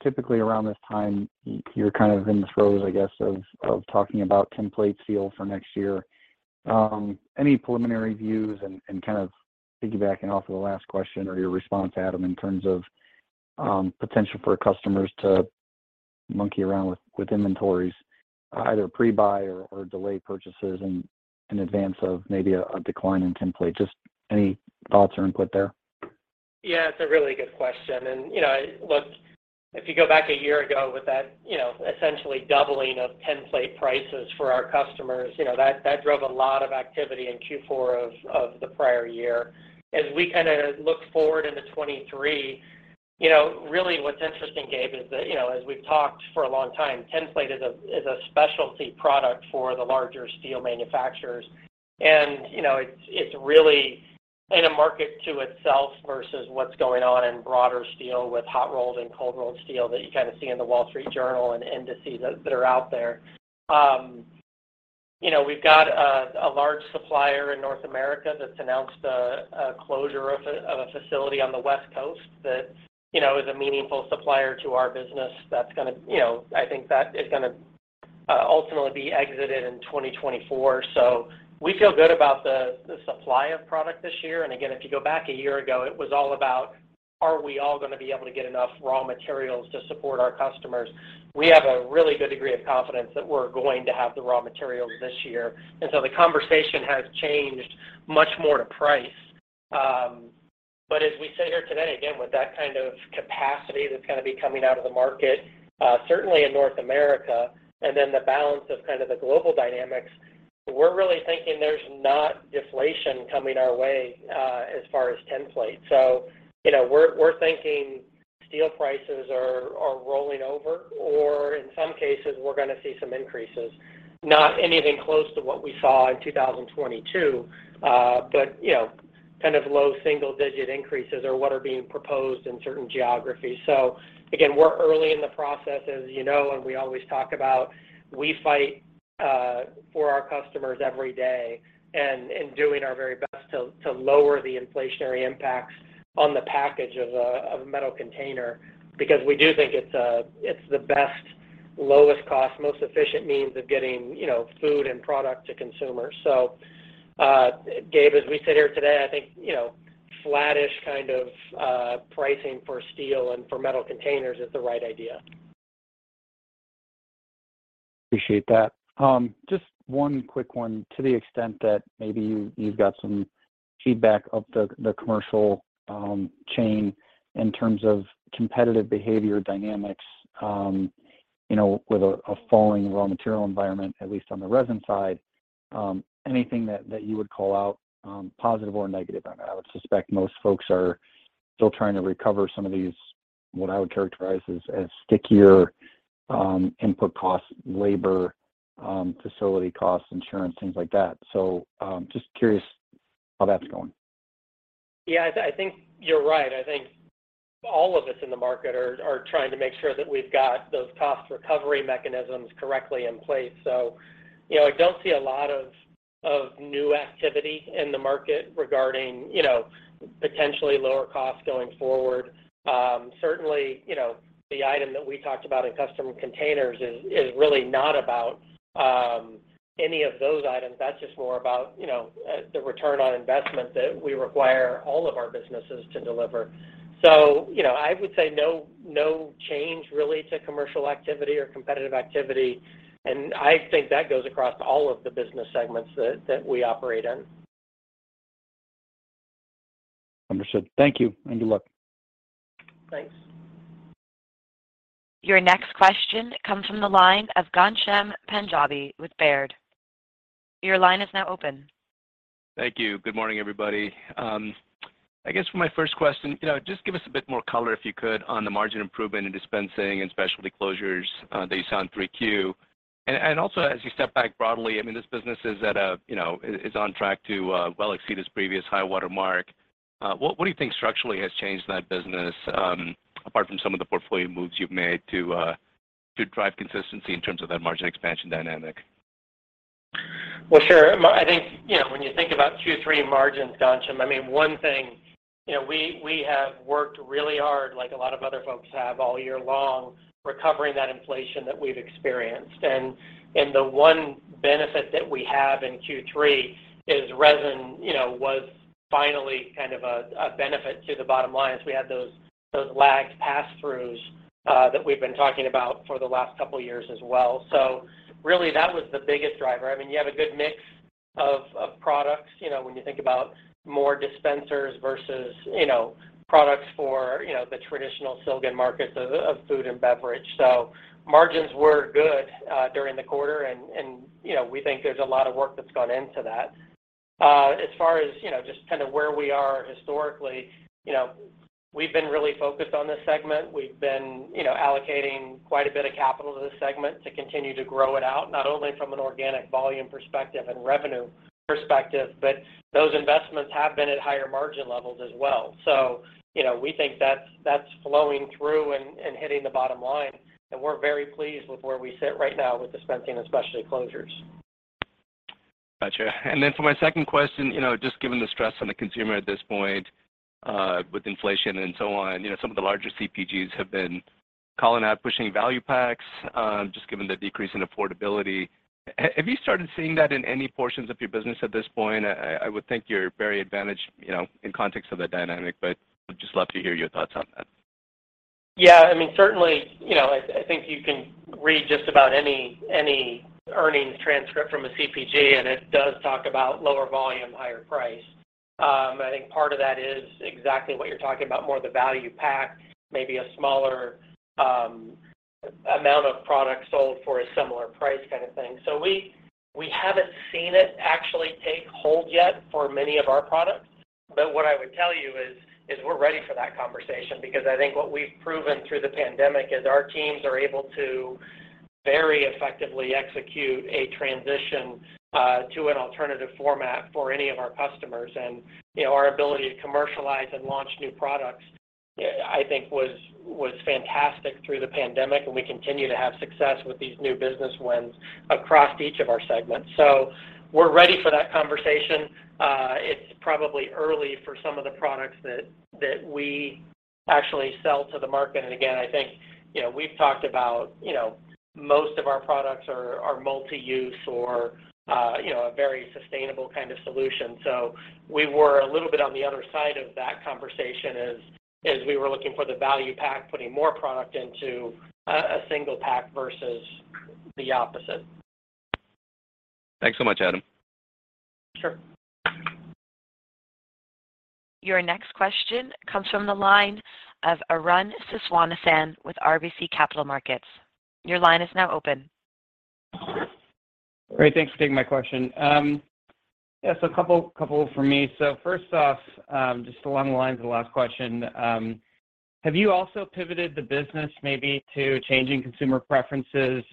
Typically around this time, you're kind of in the throes, I guess, of talking about tin plate steel for next year. Any preliminary views and kind of piggybacking off of the last question or your response to Adam in terms of potential for customers to monkey around with inventories, either pre-buy or delay purchases in advance of maybe a decline in tin plate? Just any thoughts or input there? Yeah, it's a really good question. You know, look, if you go back a year ago with that, you know, essentially doubling of tin plate prices for our customers, you know, that drove a lot of activity in Q4 of the prior year. As we kinda look forward into 2023, you know, really what's interesting, Gabe, is that, you know, as we've talked for a long time, tin plate is a specialty product for the larger steel manufacturers. You know, it's really in a market to itself versus what's going on in broader steel with hot rolled and cold rolled steel that you kind of see in The Wall Street Journal and indices that are out there. You know, we've got a large supplier in North America that's announced a closure of a facility on the West Coast that, you know, is a meaningful supplier to our business that's gonna ultimately be exited in 2024. We feel good about the supply of product this year. Again, if you go back a year ago, it was all about, are we all gonna be able to get enough raw materials to support our customers? We have a really good degree of confidence that we're going to have the raw materials this year. The conversation has changed much more to price. As we sit here today, again, with that kind of capacity that's gonna be coming out of the market, certainly in North America and then the balance of kind of the global dynamics, we're really thinking there's not deflation coming our way, as far as tinplate. You know, we're thinking steel prices are rolling over, or in some cases we're gonna see some increases. Not anything close to what we saw in 2022, you know, kind of low single digit increases are what are being proposed in certain geographies. Again, we're early in the process, as you know, and we always talk about, we fight for our customers every day and in doing our very best to lower the inflationary impacts on the package of a metal container because we do think it's the best, lowest cost, most efficient means of getting, you know, food and product to consumers. Gabe, as we sit here today, I think, you know, flattish kind of pricing for steel and for metal containers is the right idea. Appreciate that. Just one quick one to the extent that maybe you've got some feedback of the commercial chain in terms of competitive behavior dynamics, you know, with a falling raw material environment, at least on the resin side. Anything that you would call out, positive or negative on that? I would suspect most folks are still trying to recover some of these. What I would characterize as stickier input costs, labor, facility costs, insurance, things like that. Just curious how that's going. Yeah, I think you're right. I think all of us in the market are trying to make sure that we've got those cost recovery mechanisms correctly in place. You know, I don't see a lot of new activity in the market regarding, you know, potentially lower costs going forward. Certainly, you know, the item that we talked about in Custom Containers is really not about any of those items. That's just more about, you know, the return on investment that we require all of our businesses to deliver. You know, I would say no change really to commercial activity or competitive activity. I think that goes across all of the business segments that we operate in. Understood. Thank you, and good luck. Thanks. Your next question comes from the line of Ghansham Panjabi with Baird. Your line is now open. Thank you. Good morning, everybody. I guess for my first question, you know, just give us a bit more color, if you could, on the margin improvement in Dispensing and Specialty Closures that you saw in 3Q. And also as you step back broadly, I mean, this business, you know, is on track to well exceed its previous high-water mark. What do you think structurally has changed in that business apart from some of the portfolio moves you've made to drive consistency in terms of that margin expansion dynamic? Well, sure. I think, you know, when you think about Q3 margins, Ghansham, I mean, one thing, you know, we have worked really hard like a lot of other folks have all year long recovering that inflation that we've experienced. The one benefit that we have in Q3 is resin, you know, was finally kind of a benefit to the bottom line as we had those lagged pass-throughs that we've been talking about for the last couple of years as well. Really, that was the biggest driver. I mean, you have a good mix of products, you know, when you think about more dispensers versus, you know, products for, you know, the traditional Silgan markets of food and beverage. Margins were good during the quarter and, you know, we think there's a lot of work that's gone into that. As far as, you know, just kind of where we are historically, you know, we've been really focused on this segment. We've been, you know, allocating quite a bit of capital to this segment to continue to grow it out, not only from an organic volume perspective and revenue perspective, but those investments have been at higher margin levels as well. You know, we think that's flowing through and hitting the bottom line. We're very pleased with where we sit right now with Dispensing and Specialty Closures. Gotcha. For my second question, you know, just given the stress on the consumer at this point, with inflation and so on, you know, some of the larger CPGs have been calling out, pushing value packs, just given the decrease in affordability. Have you started seeing that in any portions of your business at this point? I would think you're very advantaged, you know, in context of that dynamic, but would just love to hear your thoughts on that. Yeah, I mean, certainly, you know, I think you can read just about any earnings transcript from a CPG, and it does talk about lower volume, higher price. I think part of that is exactly what you're talking about, more the value pack, maybe a smaller amount of product sold for a similar price kind of thing. We haven't seen it actually take hold yet for many of our products. What I would tell you is we're ready for that conversation because I think what we've proven through the pandemic is our teams are able to very effectively execute a transition to an alternative format for any of our customers. You know, our ability to commercialize and launch new products, I think was fantastic through the pandemic, and we continue to have success with these new business wins across each of our segments. We're ready for that conversation. It's probably early for some of the products that we actually sell to the market. Again, I think, you know, we've talked about, you know, most of our products are multi-use or, you know, a very sustainable kind of solution. We were a little bit on the other side of that conversation as we were looking for the value pack, putting more product into a single pack versus the opposite. Thanks so much, Adam. Sure. Your next question comes from the line of Arun Viswanathan with RBC Capital Markets. Your line is now open. Great. Thanks for taking my question. Yeah, a couple for me. First off, just along the lines of the last question, have you also pivoted the business maybe to changing consumer preferences?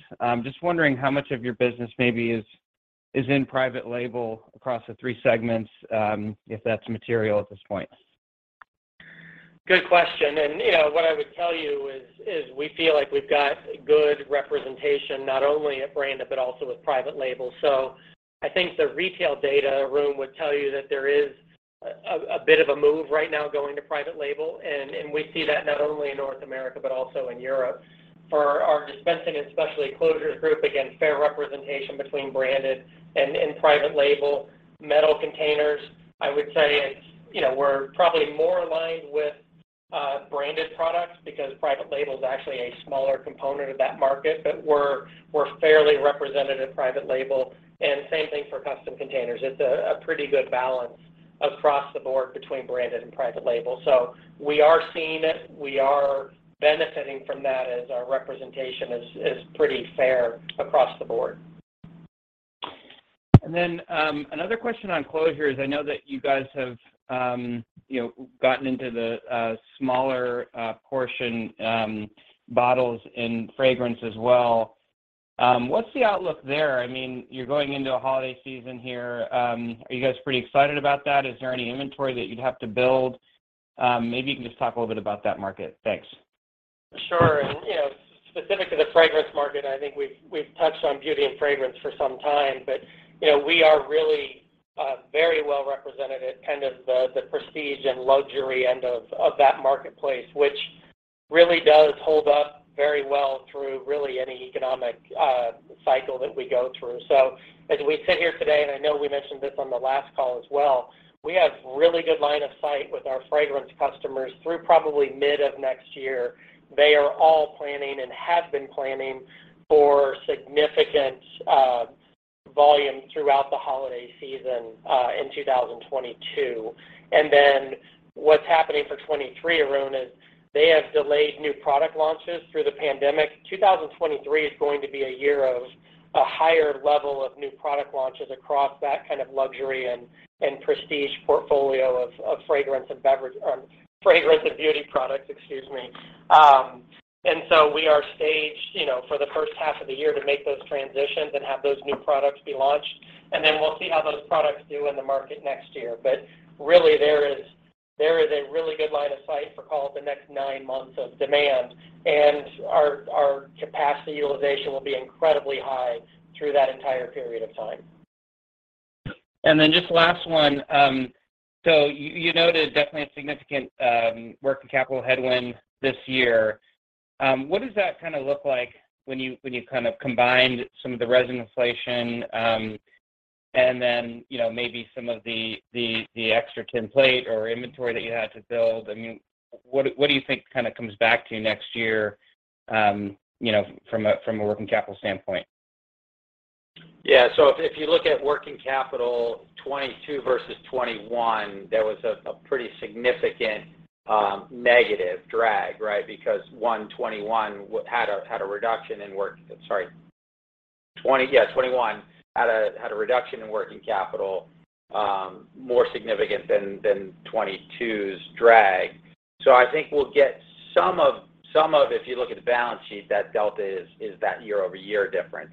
Just wondering how much of your business maybe is in private label across the three segments, if that's material at this point? Good question. You know, what I would tell you is we feel like we've got good representation, not only at branded, but also with private label. I think the retail data room would tell you that there is a bit of a move right now going to private label. We see that not only in North America, but also in Europe. For our Dispensing and Specialty Closures group, again, fair representation between branded and private label. Metal Containers, I would say it's you know, we're probably more aligned with branded products because private label is actually a smaller component of that market. But we're fairly represented in private label, and same thing for Custom Containers. It's a pretty good balance across the board between branded and private label. We are seeing it. We are benefiting from that as our representation is pretty fair across the board. Another question on closures. I know that you guys have, you know, gotten into the smaller portion bottles in fragrance as well. What's the outlook there? I mean, you're going into a holiday season here. Are you guys pretty excited about that? Is there any inventory that you'd have to build? Maybe you can just talk a little bit about that market. Thanks. Sure. You know, specific to the fragrance market, I think we've touched on beauty and fragrance for some time. You know, we are really very well represented at kind of the prestige and luxury end of that marketplace, which really does hold up very well through really any economic cycle that we go through. As we sit here today, and I know we mentioned this on the last call as well, we have really good line of sight with our fragrance customers through probably mid of next year. They are all planning and have been planning for significant volume throughout the holiday season in 2022. Then what's happening for 2023, Arun, is they have delayed new product launches through the pandemic. 2023 is going to be a year of a higher level of new product launches across that kind of luxury and prestige portfolio of fragrance and beauty products. We are staged, you know, for the first half of the year to make those transitions and have those new products be launched. Then we'll see how those products do in the market next year. Really there is a really good line of sight for call it the next nine months of demand. Our capacity utilization will be incredibly high through that entire period of time. Just last one. So you noted definitely a significant working capital headwind this year. What does that kind of look like when you kind of combined some of the resin inflation and then, you know, maybe some of the extra template or inventory that you had to build? I mean, what do you think kind of comes back to you next year, you know, from a working capital standpoint? Yeah. If you look at working capital 2022 versus 2021, there was a pretty significant negative drag, right? Because, one, 2021 had a reduction in working capital, more significant than 2022's drag. I think we'll get some of, if you look at the balance sheet, that delta is that year-over-year difference.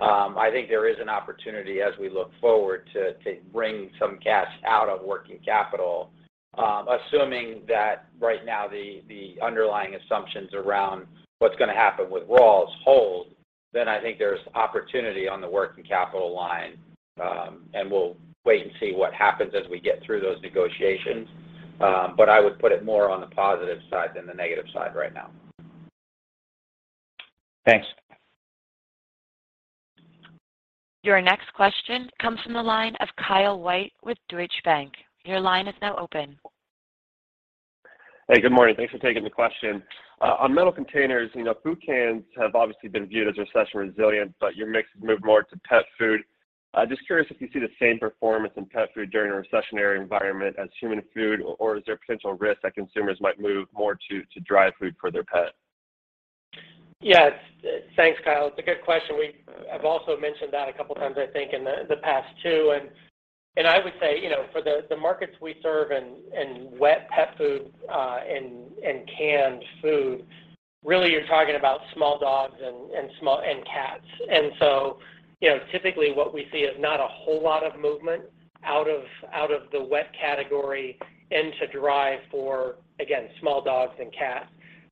I think there is an opportunity as we look forward to bring some cash out of working capital. Assuming that right now the underlying assumptions around what's gonna happen with raws hold, then I think there's opportunity on the working capital line. We'll wait and see what happens as we get through those negotiations. I would put it more on the positive side than the negative side right now. Thanks. Your next question comes from the line of Kyle White with Deutsche Bank. Your line is now open. Hey, good morning. Thanks for taking the question. On Metal Containers, you know, food cans have obviously been viewed as recession resilient, but your mix has moved more to pet food. Just curious if you see the same performance in pet food during a recessionary environment as human food, or is there potential risk that consumers might move more to dry food for their pet? Yes. Thanks, Kyle. It's a good question. We have also mentioned that a couple of times I think in the past too. I would say, you know, for the markets we serve and wet pet food and canned food, really you're talking about small dogs and small cats. You know, typically what we see is not a whole lot of movement out of the wet category into dry for, again, small dogs and cats.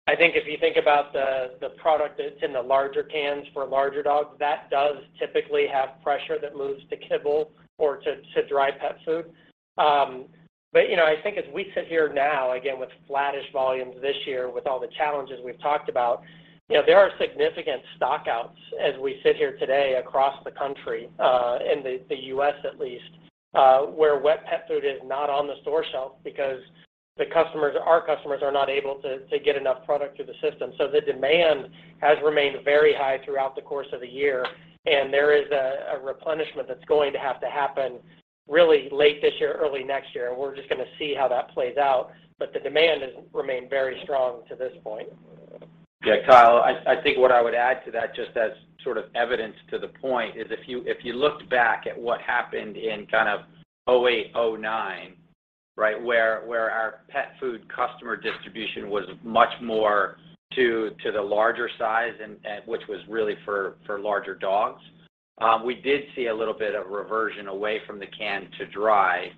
I think if you think about the product that's in the larger cans for larger dogs, that does typically have pressure that moves to kibble or to dry pet food. I think as we sit here now, again, with flattish volumes this year with all the challenges we've talked about, you know, there are significant stock outs as we sit here today across the country, in the US at least, where wet pet food is not on the store shelf because the customers, our customers are not able to get enough product through the system. The demand has remained very high throughout the course of the year, and there is a replenishment that's going to have to happen really late this year, early next year. We're just gonna see how that plays out. The demand has remained very strong to this point. Yeah, Kyle, I think what I would add to that just as sort of evidence to the point is if you looked back at what happened in kind of 2008, 2009, right, where our pet food customer distribution was much more to the larger size and which was really for larger dogs, we did see a little bit of reversion away from the can to dry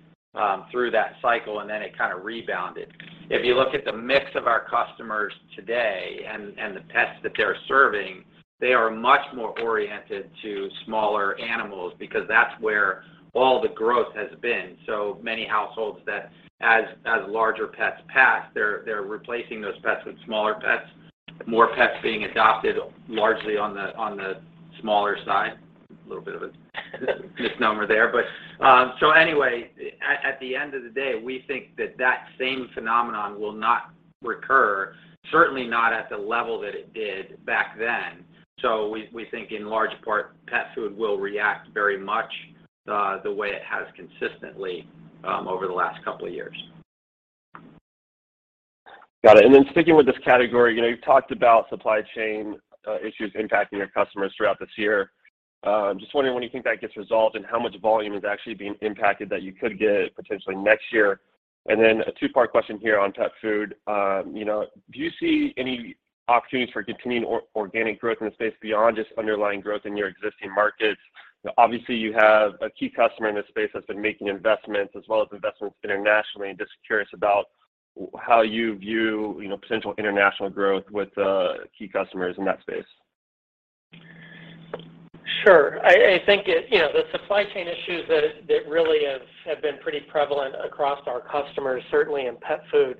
through that cycle, and then it kind of rebounded. If you look at the mix of our customers today and the pets that they're serving, they are much more oriented to smaller animals because that's where all the growth has been. Many households that as larger pets pass, they're replacing those pets with smaller pets, more pets being adopted largely on the smaller side. A little bit of a misnomer there. Anyway, at the end of the day, we think that same phenomenon will not recur, certainly not at the level that it did back then. We think in large part, pet food will react very much, the way it has consistently, over the last couple of years. Got it. Then sticking with this category, you know, you've talked about supply chain issues impacting your customers throughout this year. I'm just wondering when you think that gets resolved and how much volume is actually being impacted that you could get potentially next year. Then a two-part question here on pet food. You know, do you see any opportunities for continued organic growth in the space beyond just underlying growth in your existing markets? Obviously, you have a key customer in this space that's been making investments as well as investments internationally and just curious about how you view, you know, potential international growth with key customers in that space. Sure. I think it. You know, the supply chain issues that really have been pretty prevalent across our customers, certainly in pet food.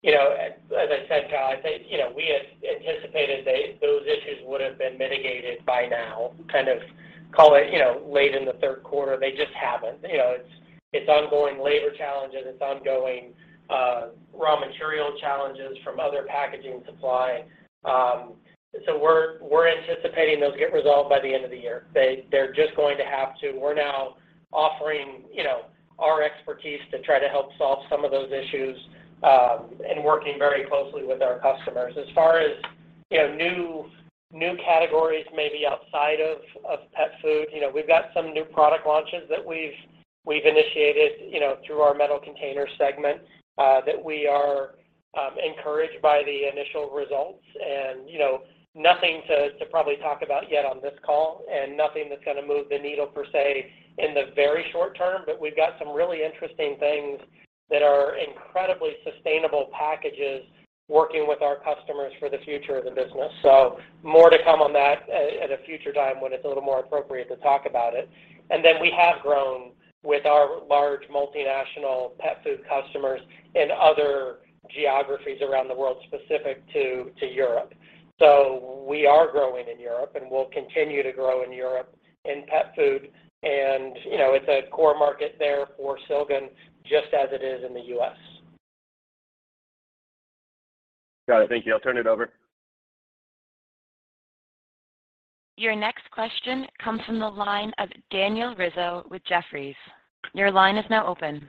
You know, as I said, Kyle, I think, you know, we had anticipated that those issues would have been mitigated by now, kind of call it, you know, late in the third quarter. They just haven't. You know, it's ongoing labor challenges. It's ongoing raw material challenges from other packaging supply. We're anticipating those get resolved by the end of the year. They're just going to have to. We're now offering, you know, our expertise to try to help solve some of those issues, and working very closely with our customers. As far as, you know, new categories maybe outside of pet food. You know, we've got some new product launches that we've initiated, you know, through our Metal Containers segment, that we are encouraged by the initial results. You know, nothing to probably talk about yet on this call and nothing that's gonna move the needle per se in the very short term. We've got some really interesting things that are incredibly sustainable packages working with our customers for the future of the business. More to come on that at a future time when it's a little more appropriate to talk about it. Then we have grown with our large multinational pet food customers in other geographies around the world specific to Europe. We are growing in Europe, and we'll continue to grow in Europe in pet food. You know, it's a core market there for Silgan, just as it is in the U.S. Got it. Thank you. I'll turn it over. Your next question comes from the line of Daniel Rizzo with Jefferies. Your line is now open.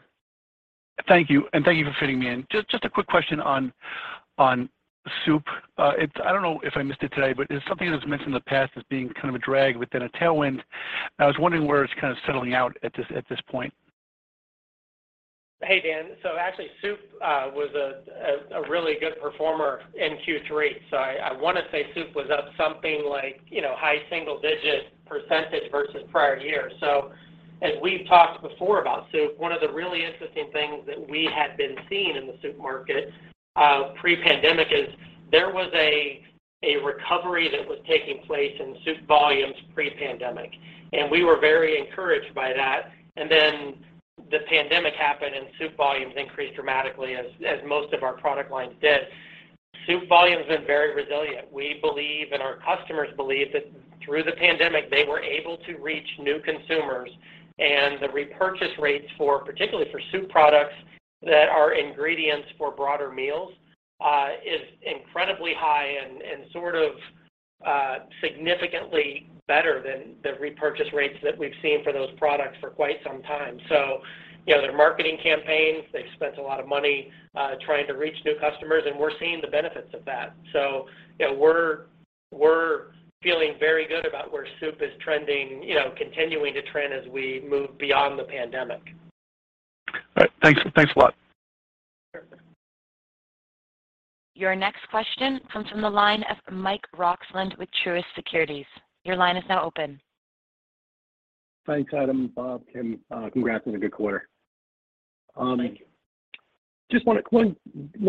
Thank you, and thank you for fitting me in. Just a quick question on soup. I don't know if I missed it today, but it's something that was mentioned in the past as being kind of a drag within a tailwind, and I was wondering where it's kind of settling out at this point. Hey, Dan. Actually, soup was a really good performer in Q3. I wanna say soup was up something like, you know, high single-digit% versus prior year. As we've talked before about soup, one of the really interesting things that we had been seeing in the soup market pre-pandemic is there was a recovery that was taking place in soup volumes pre-pandemic, and we were very encouraged by that. Then the pandemic happened, and soup volumes increased dramatically as most of our product lines did. Soup volume's been very resilient. We believe and our customers believe that through the pandemic they were able to reach new consumers, and the repurchase rates for, particularly for soup products that are ingredients for broader meals, is incredibly high and sort of significantly better than the repurchase rates that we've seen for those products for quite some time. You know, their marketing campaigns, they've spent a lot of money trying to reach new customers, and we're seeing the benefits of that. You know, we're feeling very good about where soup is trending, continuing to trend as we move beyond the pandemic. All right. Thanks. Thanks a lot. Sure. Your next question comes from the line of Michael Roxland with Truist Securities. Your line is now open. Thanks, Adam, Bob, Kim. Congrats on a good quarter. Thank you. Just one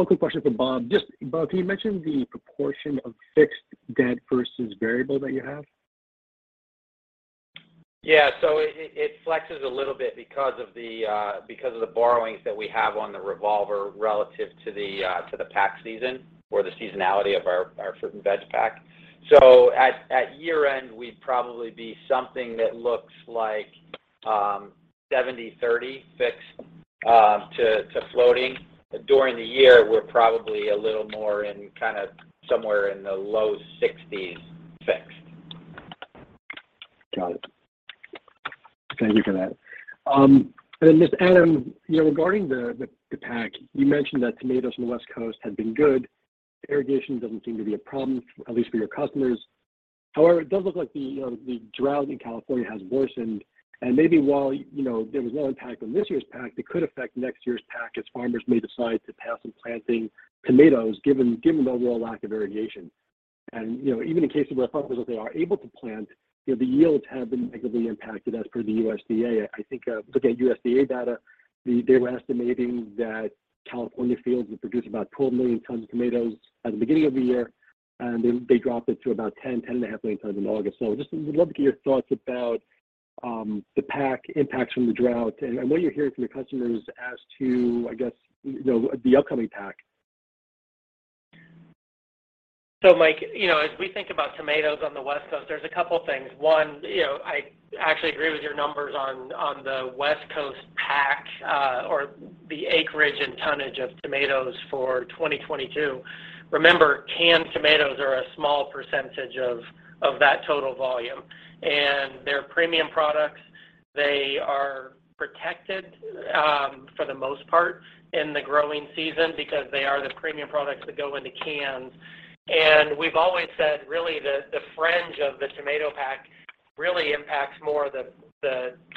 quick question for Bob. Bob, can you mention the proportion of fixed debt versus variable that you have? It flexes a little bit because of the borrowings that we have on the revolver relative to the pack season or the seasonality of our fruit and veg pack. At year-end, we'd probably be something that looks like 70/30 fixed to floating. During the year, we're probably a little more kinda somewhere in the low 60s fixed. Got it. Thank you for that. And then just, Adam, you know, regarding the pack, you mentioned that tomatoes on the West Coast had been good. Irrigation doesn't seem to be a problem, at least for your customers. However, it does look like the drought in California has worsened. Maybe while, you know, there was low impact on this year's pack, it could affect next year's pack as farmers may decide to pass on planting tomatoes given the overall lack of irrigation. You know, even in cases where farmers, if they are able to plant, you know, the yields have been negatively impacted as per the USDA. I think. Looking at USDA data, they were estimating that California fields would produce about 12 million tons of tomatoes at the beginning of the year, and they dropped it to about 10.5 million tons in August. Just would love to get your thoughts about the pack impacts from the drought and what you're hearing from your customers as to, I guess, you know, the upcoming pack. Mike, you know, as we think about tomatoes on the West Coast, there's a couple things. One, you know, I actually agree with your numbers on the West Coast pack, or the acreage and tonnage of tomatoes for 2022. Remember, canned tomatoes are a small percentage of that total volume, and they're premium products. They are selected for the most part in the growing season because they are the premium products that go into cans. We've always said really the fringe of the tomato pack really impacts more the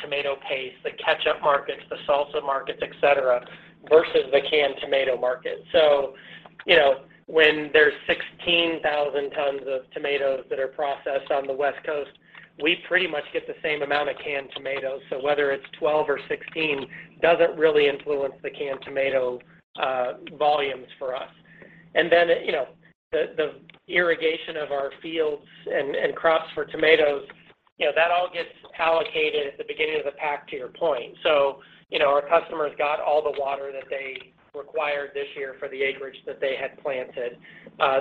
tomato paste, the ketchup markets, the salsa markets, et cetera, versus the canned tomato market. You know, when there's 16,000 tons of tomatoes that are processed on the West Coast, we pretty much get the same amount of canned tomatoes. Whether it's 12 or 16 doesn't really influence the canned tomato volumes for us. Then, you know, the irrigation of our fields and crops for tomatoes, you know, that all gets allocated at the beginning of the pack to your point. You know, our customers got all the water that they required this year for the acreage that they had planted.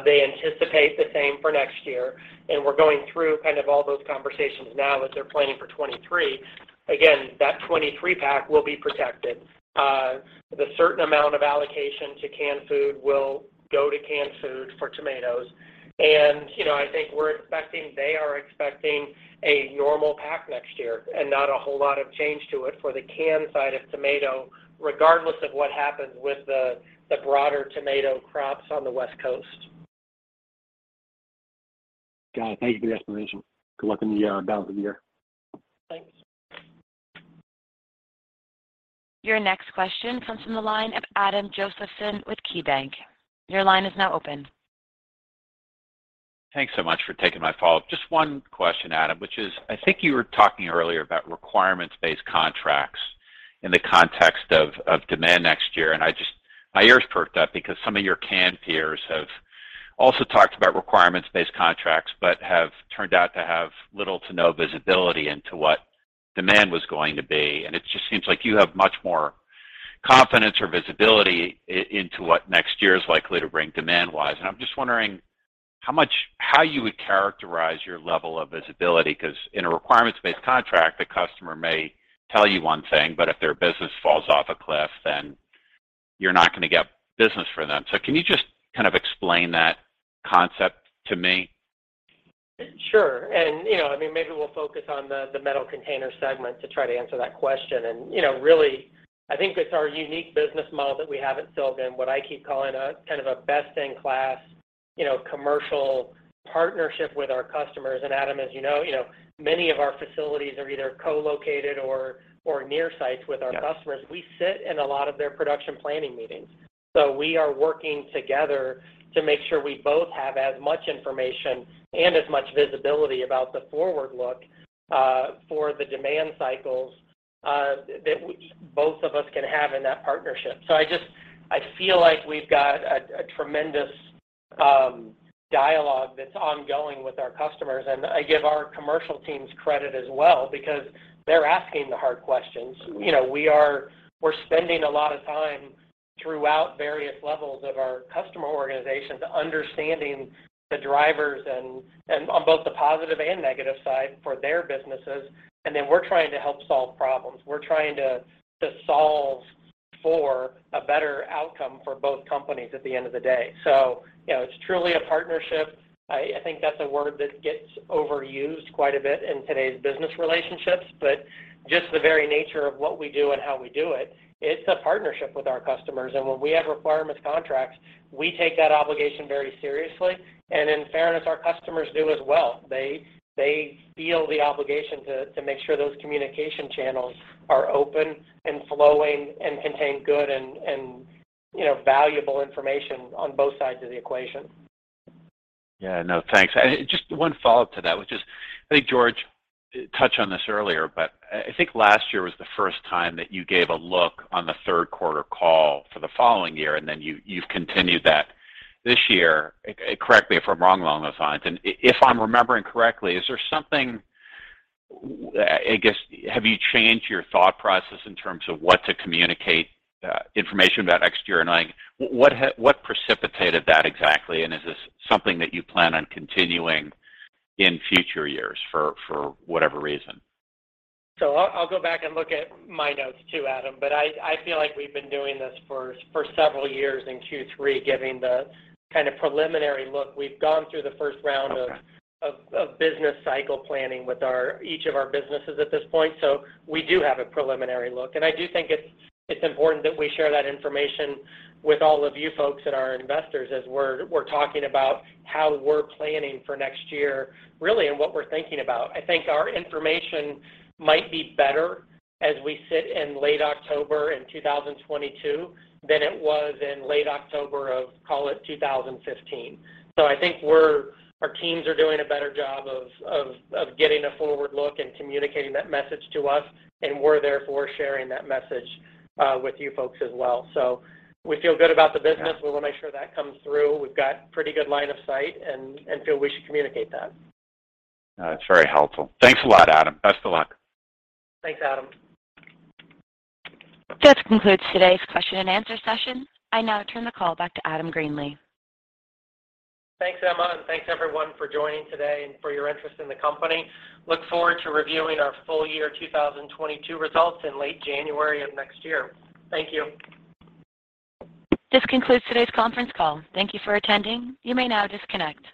They anticipate the same for next year, and we're going through kind of all those conversations now as they're planning for 2023. Again, that 2023 pack will be protected. The certain amount of allocation to canned food will go to canned food for tomatoes. You know, I think we're expecting, they are expecting a normal pack next year and not a whole lot of change to it for the canned side of tomato, regardless of what happens with the broader tomato crops on the West Coast. Got it. Thank you for the explanation. Good luck in the balance of the year. Thanks. Your next question comes from the line of Adam Josephson with KeyBank. Your line is now open. Thanks so much for taking my call. Just one question, Adam, which is, I think you were talking earlier about requirements based contracts in the context of demand next year. I just, my ears perked up because some of your canned peers have also talked about requirements based contracts, but have turned out to have little to no visibility into what demand was going to be. It just seems like you have much more confidence or visibility into what next year is likely to bring demand-wise. I'm just wondering how you would characterize your level of visibility, 'cause in a requirements based contract, the customer may tell you one thing, but if their business falls off a cliff, then you're not gonna get business from them. Can you just kind of explain that concept to me? Sure. You know, I mean, maybe we'll focus on the Metal Containers segment to try to answer that question. You know, really, I think it's our unique business model that we have at Silgan, what I keep calling a kind of a best in class, you know, commercial partnership with our customers. Adam, as you know, you know, many of our facilities are either co-located or near sites with our customers. Yeah. We sit in a lot of their production planning meetings. We are working together to make sure we both have as much information and as much visibility about the forward look for the demand cycles that both of us can have in that partnership. I feel like we've got a tremendous dialogue that's ongoing with our customers, and I give our commercial teams credit as well because they're asking the hard questions. You know, we're spending a lot of time throughout various levels of our customer organizations understanding the drivers and on both the positive and negative side for their businesses. Then we're trying to help solve problems. We're trying to solve for a better outcome for both companies at the end of the day. You know, it's truly a partnership. I think that's a word that gets overused quite a bit in today's business relationships, but just the very nature of what we do and how we do it's a partnership with our customers. When we have requirements contracts, we take that obligation very seriously. In fairness, our customers do as well. They feel the obligation to make sure those communication channels are open and flowing and contain good and you know valuable information on both sides of the equation. Yeah. No, thanks. Just one follow-up to that, which is, I think George touched on this earlier, but I think last year was the first time that you gave a look on the third quarter call for the following year, and then you've continued that this year. Correct me if I'm wrong along those lines. If I'm remembering correctly, is there something, I guess, have you changed your thought process in terms of what to communicate, information about next year? Like, what what precipitated that exactly? Is this something that you plan on continuing in future years for whatever reason? I'll go back and look at my notes too, Adam, but I feel like we've been doing this for several years in Q3, giving the kind of preliminary look. We've gone through the first round of- Okay of business cycle planning with each of our businesses at this point. We do have a preliminary look. I do think it's important that we share that information with all of you folks and our investors as we're talking about how we're planning for next year, really, and what we're thinking about. I think our information might be better as we sit in late October in 2022 than it was in late October of call it 2015. I think our teams are doing a better job of getting a forward look and communicating that message to us, and we're therefore sharing that message with you folks as well. We feel good about the business. Yeah. We want to make sure that comes through. We've got pretty good line of sight and feel we should communicate that. That's very helpful. Thanks a lot, Adam. Best of luck. Thanks, Adam. This concludes today's question-and-answer session. I now turn the call back to Adam Greenlee. Thanks, Emma, and thanks everyone for joining today and for your interest in the company. Look forward to reviewing our full year 2022 results in late January of next year. Thank you. This concludes today's conference call. Thank you for attending. You may now disconnect.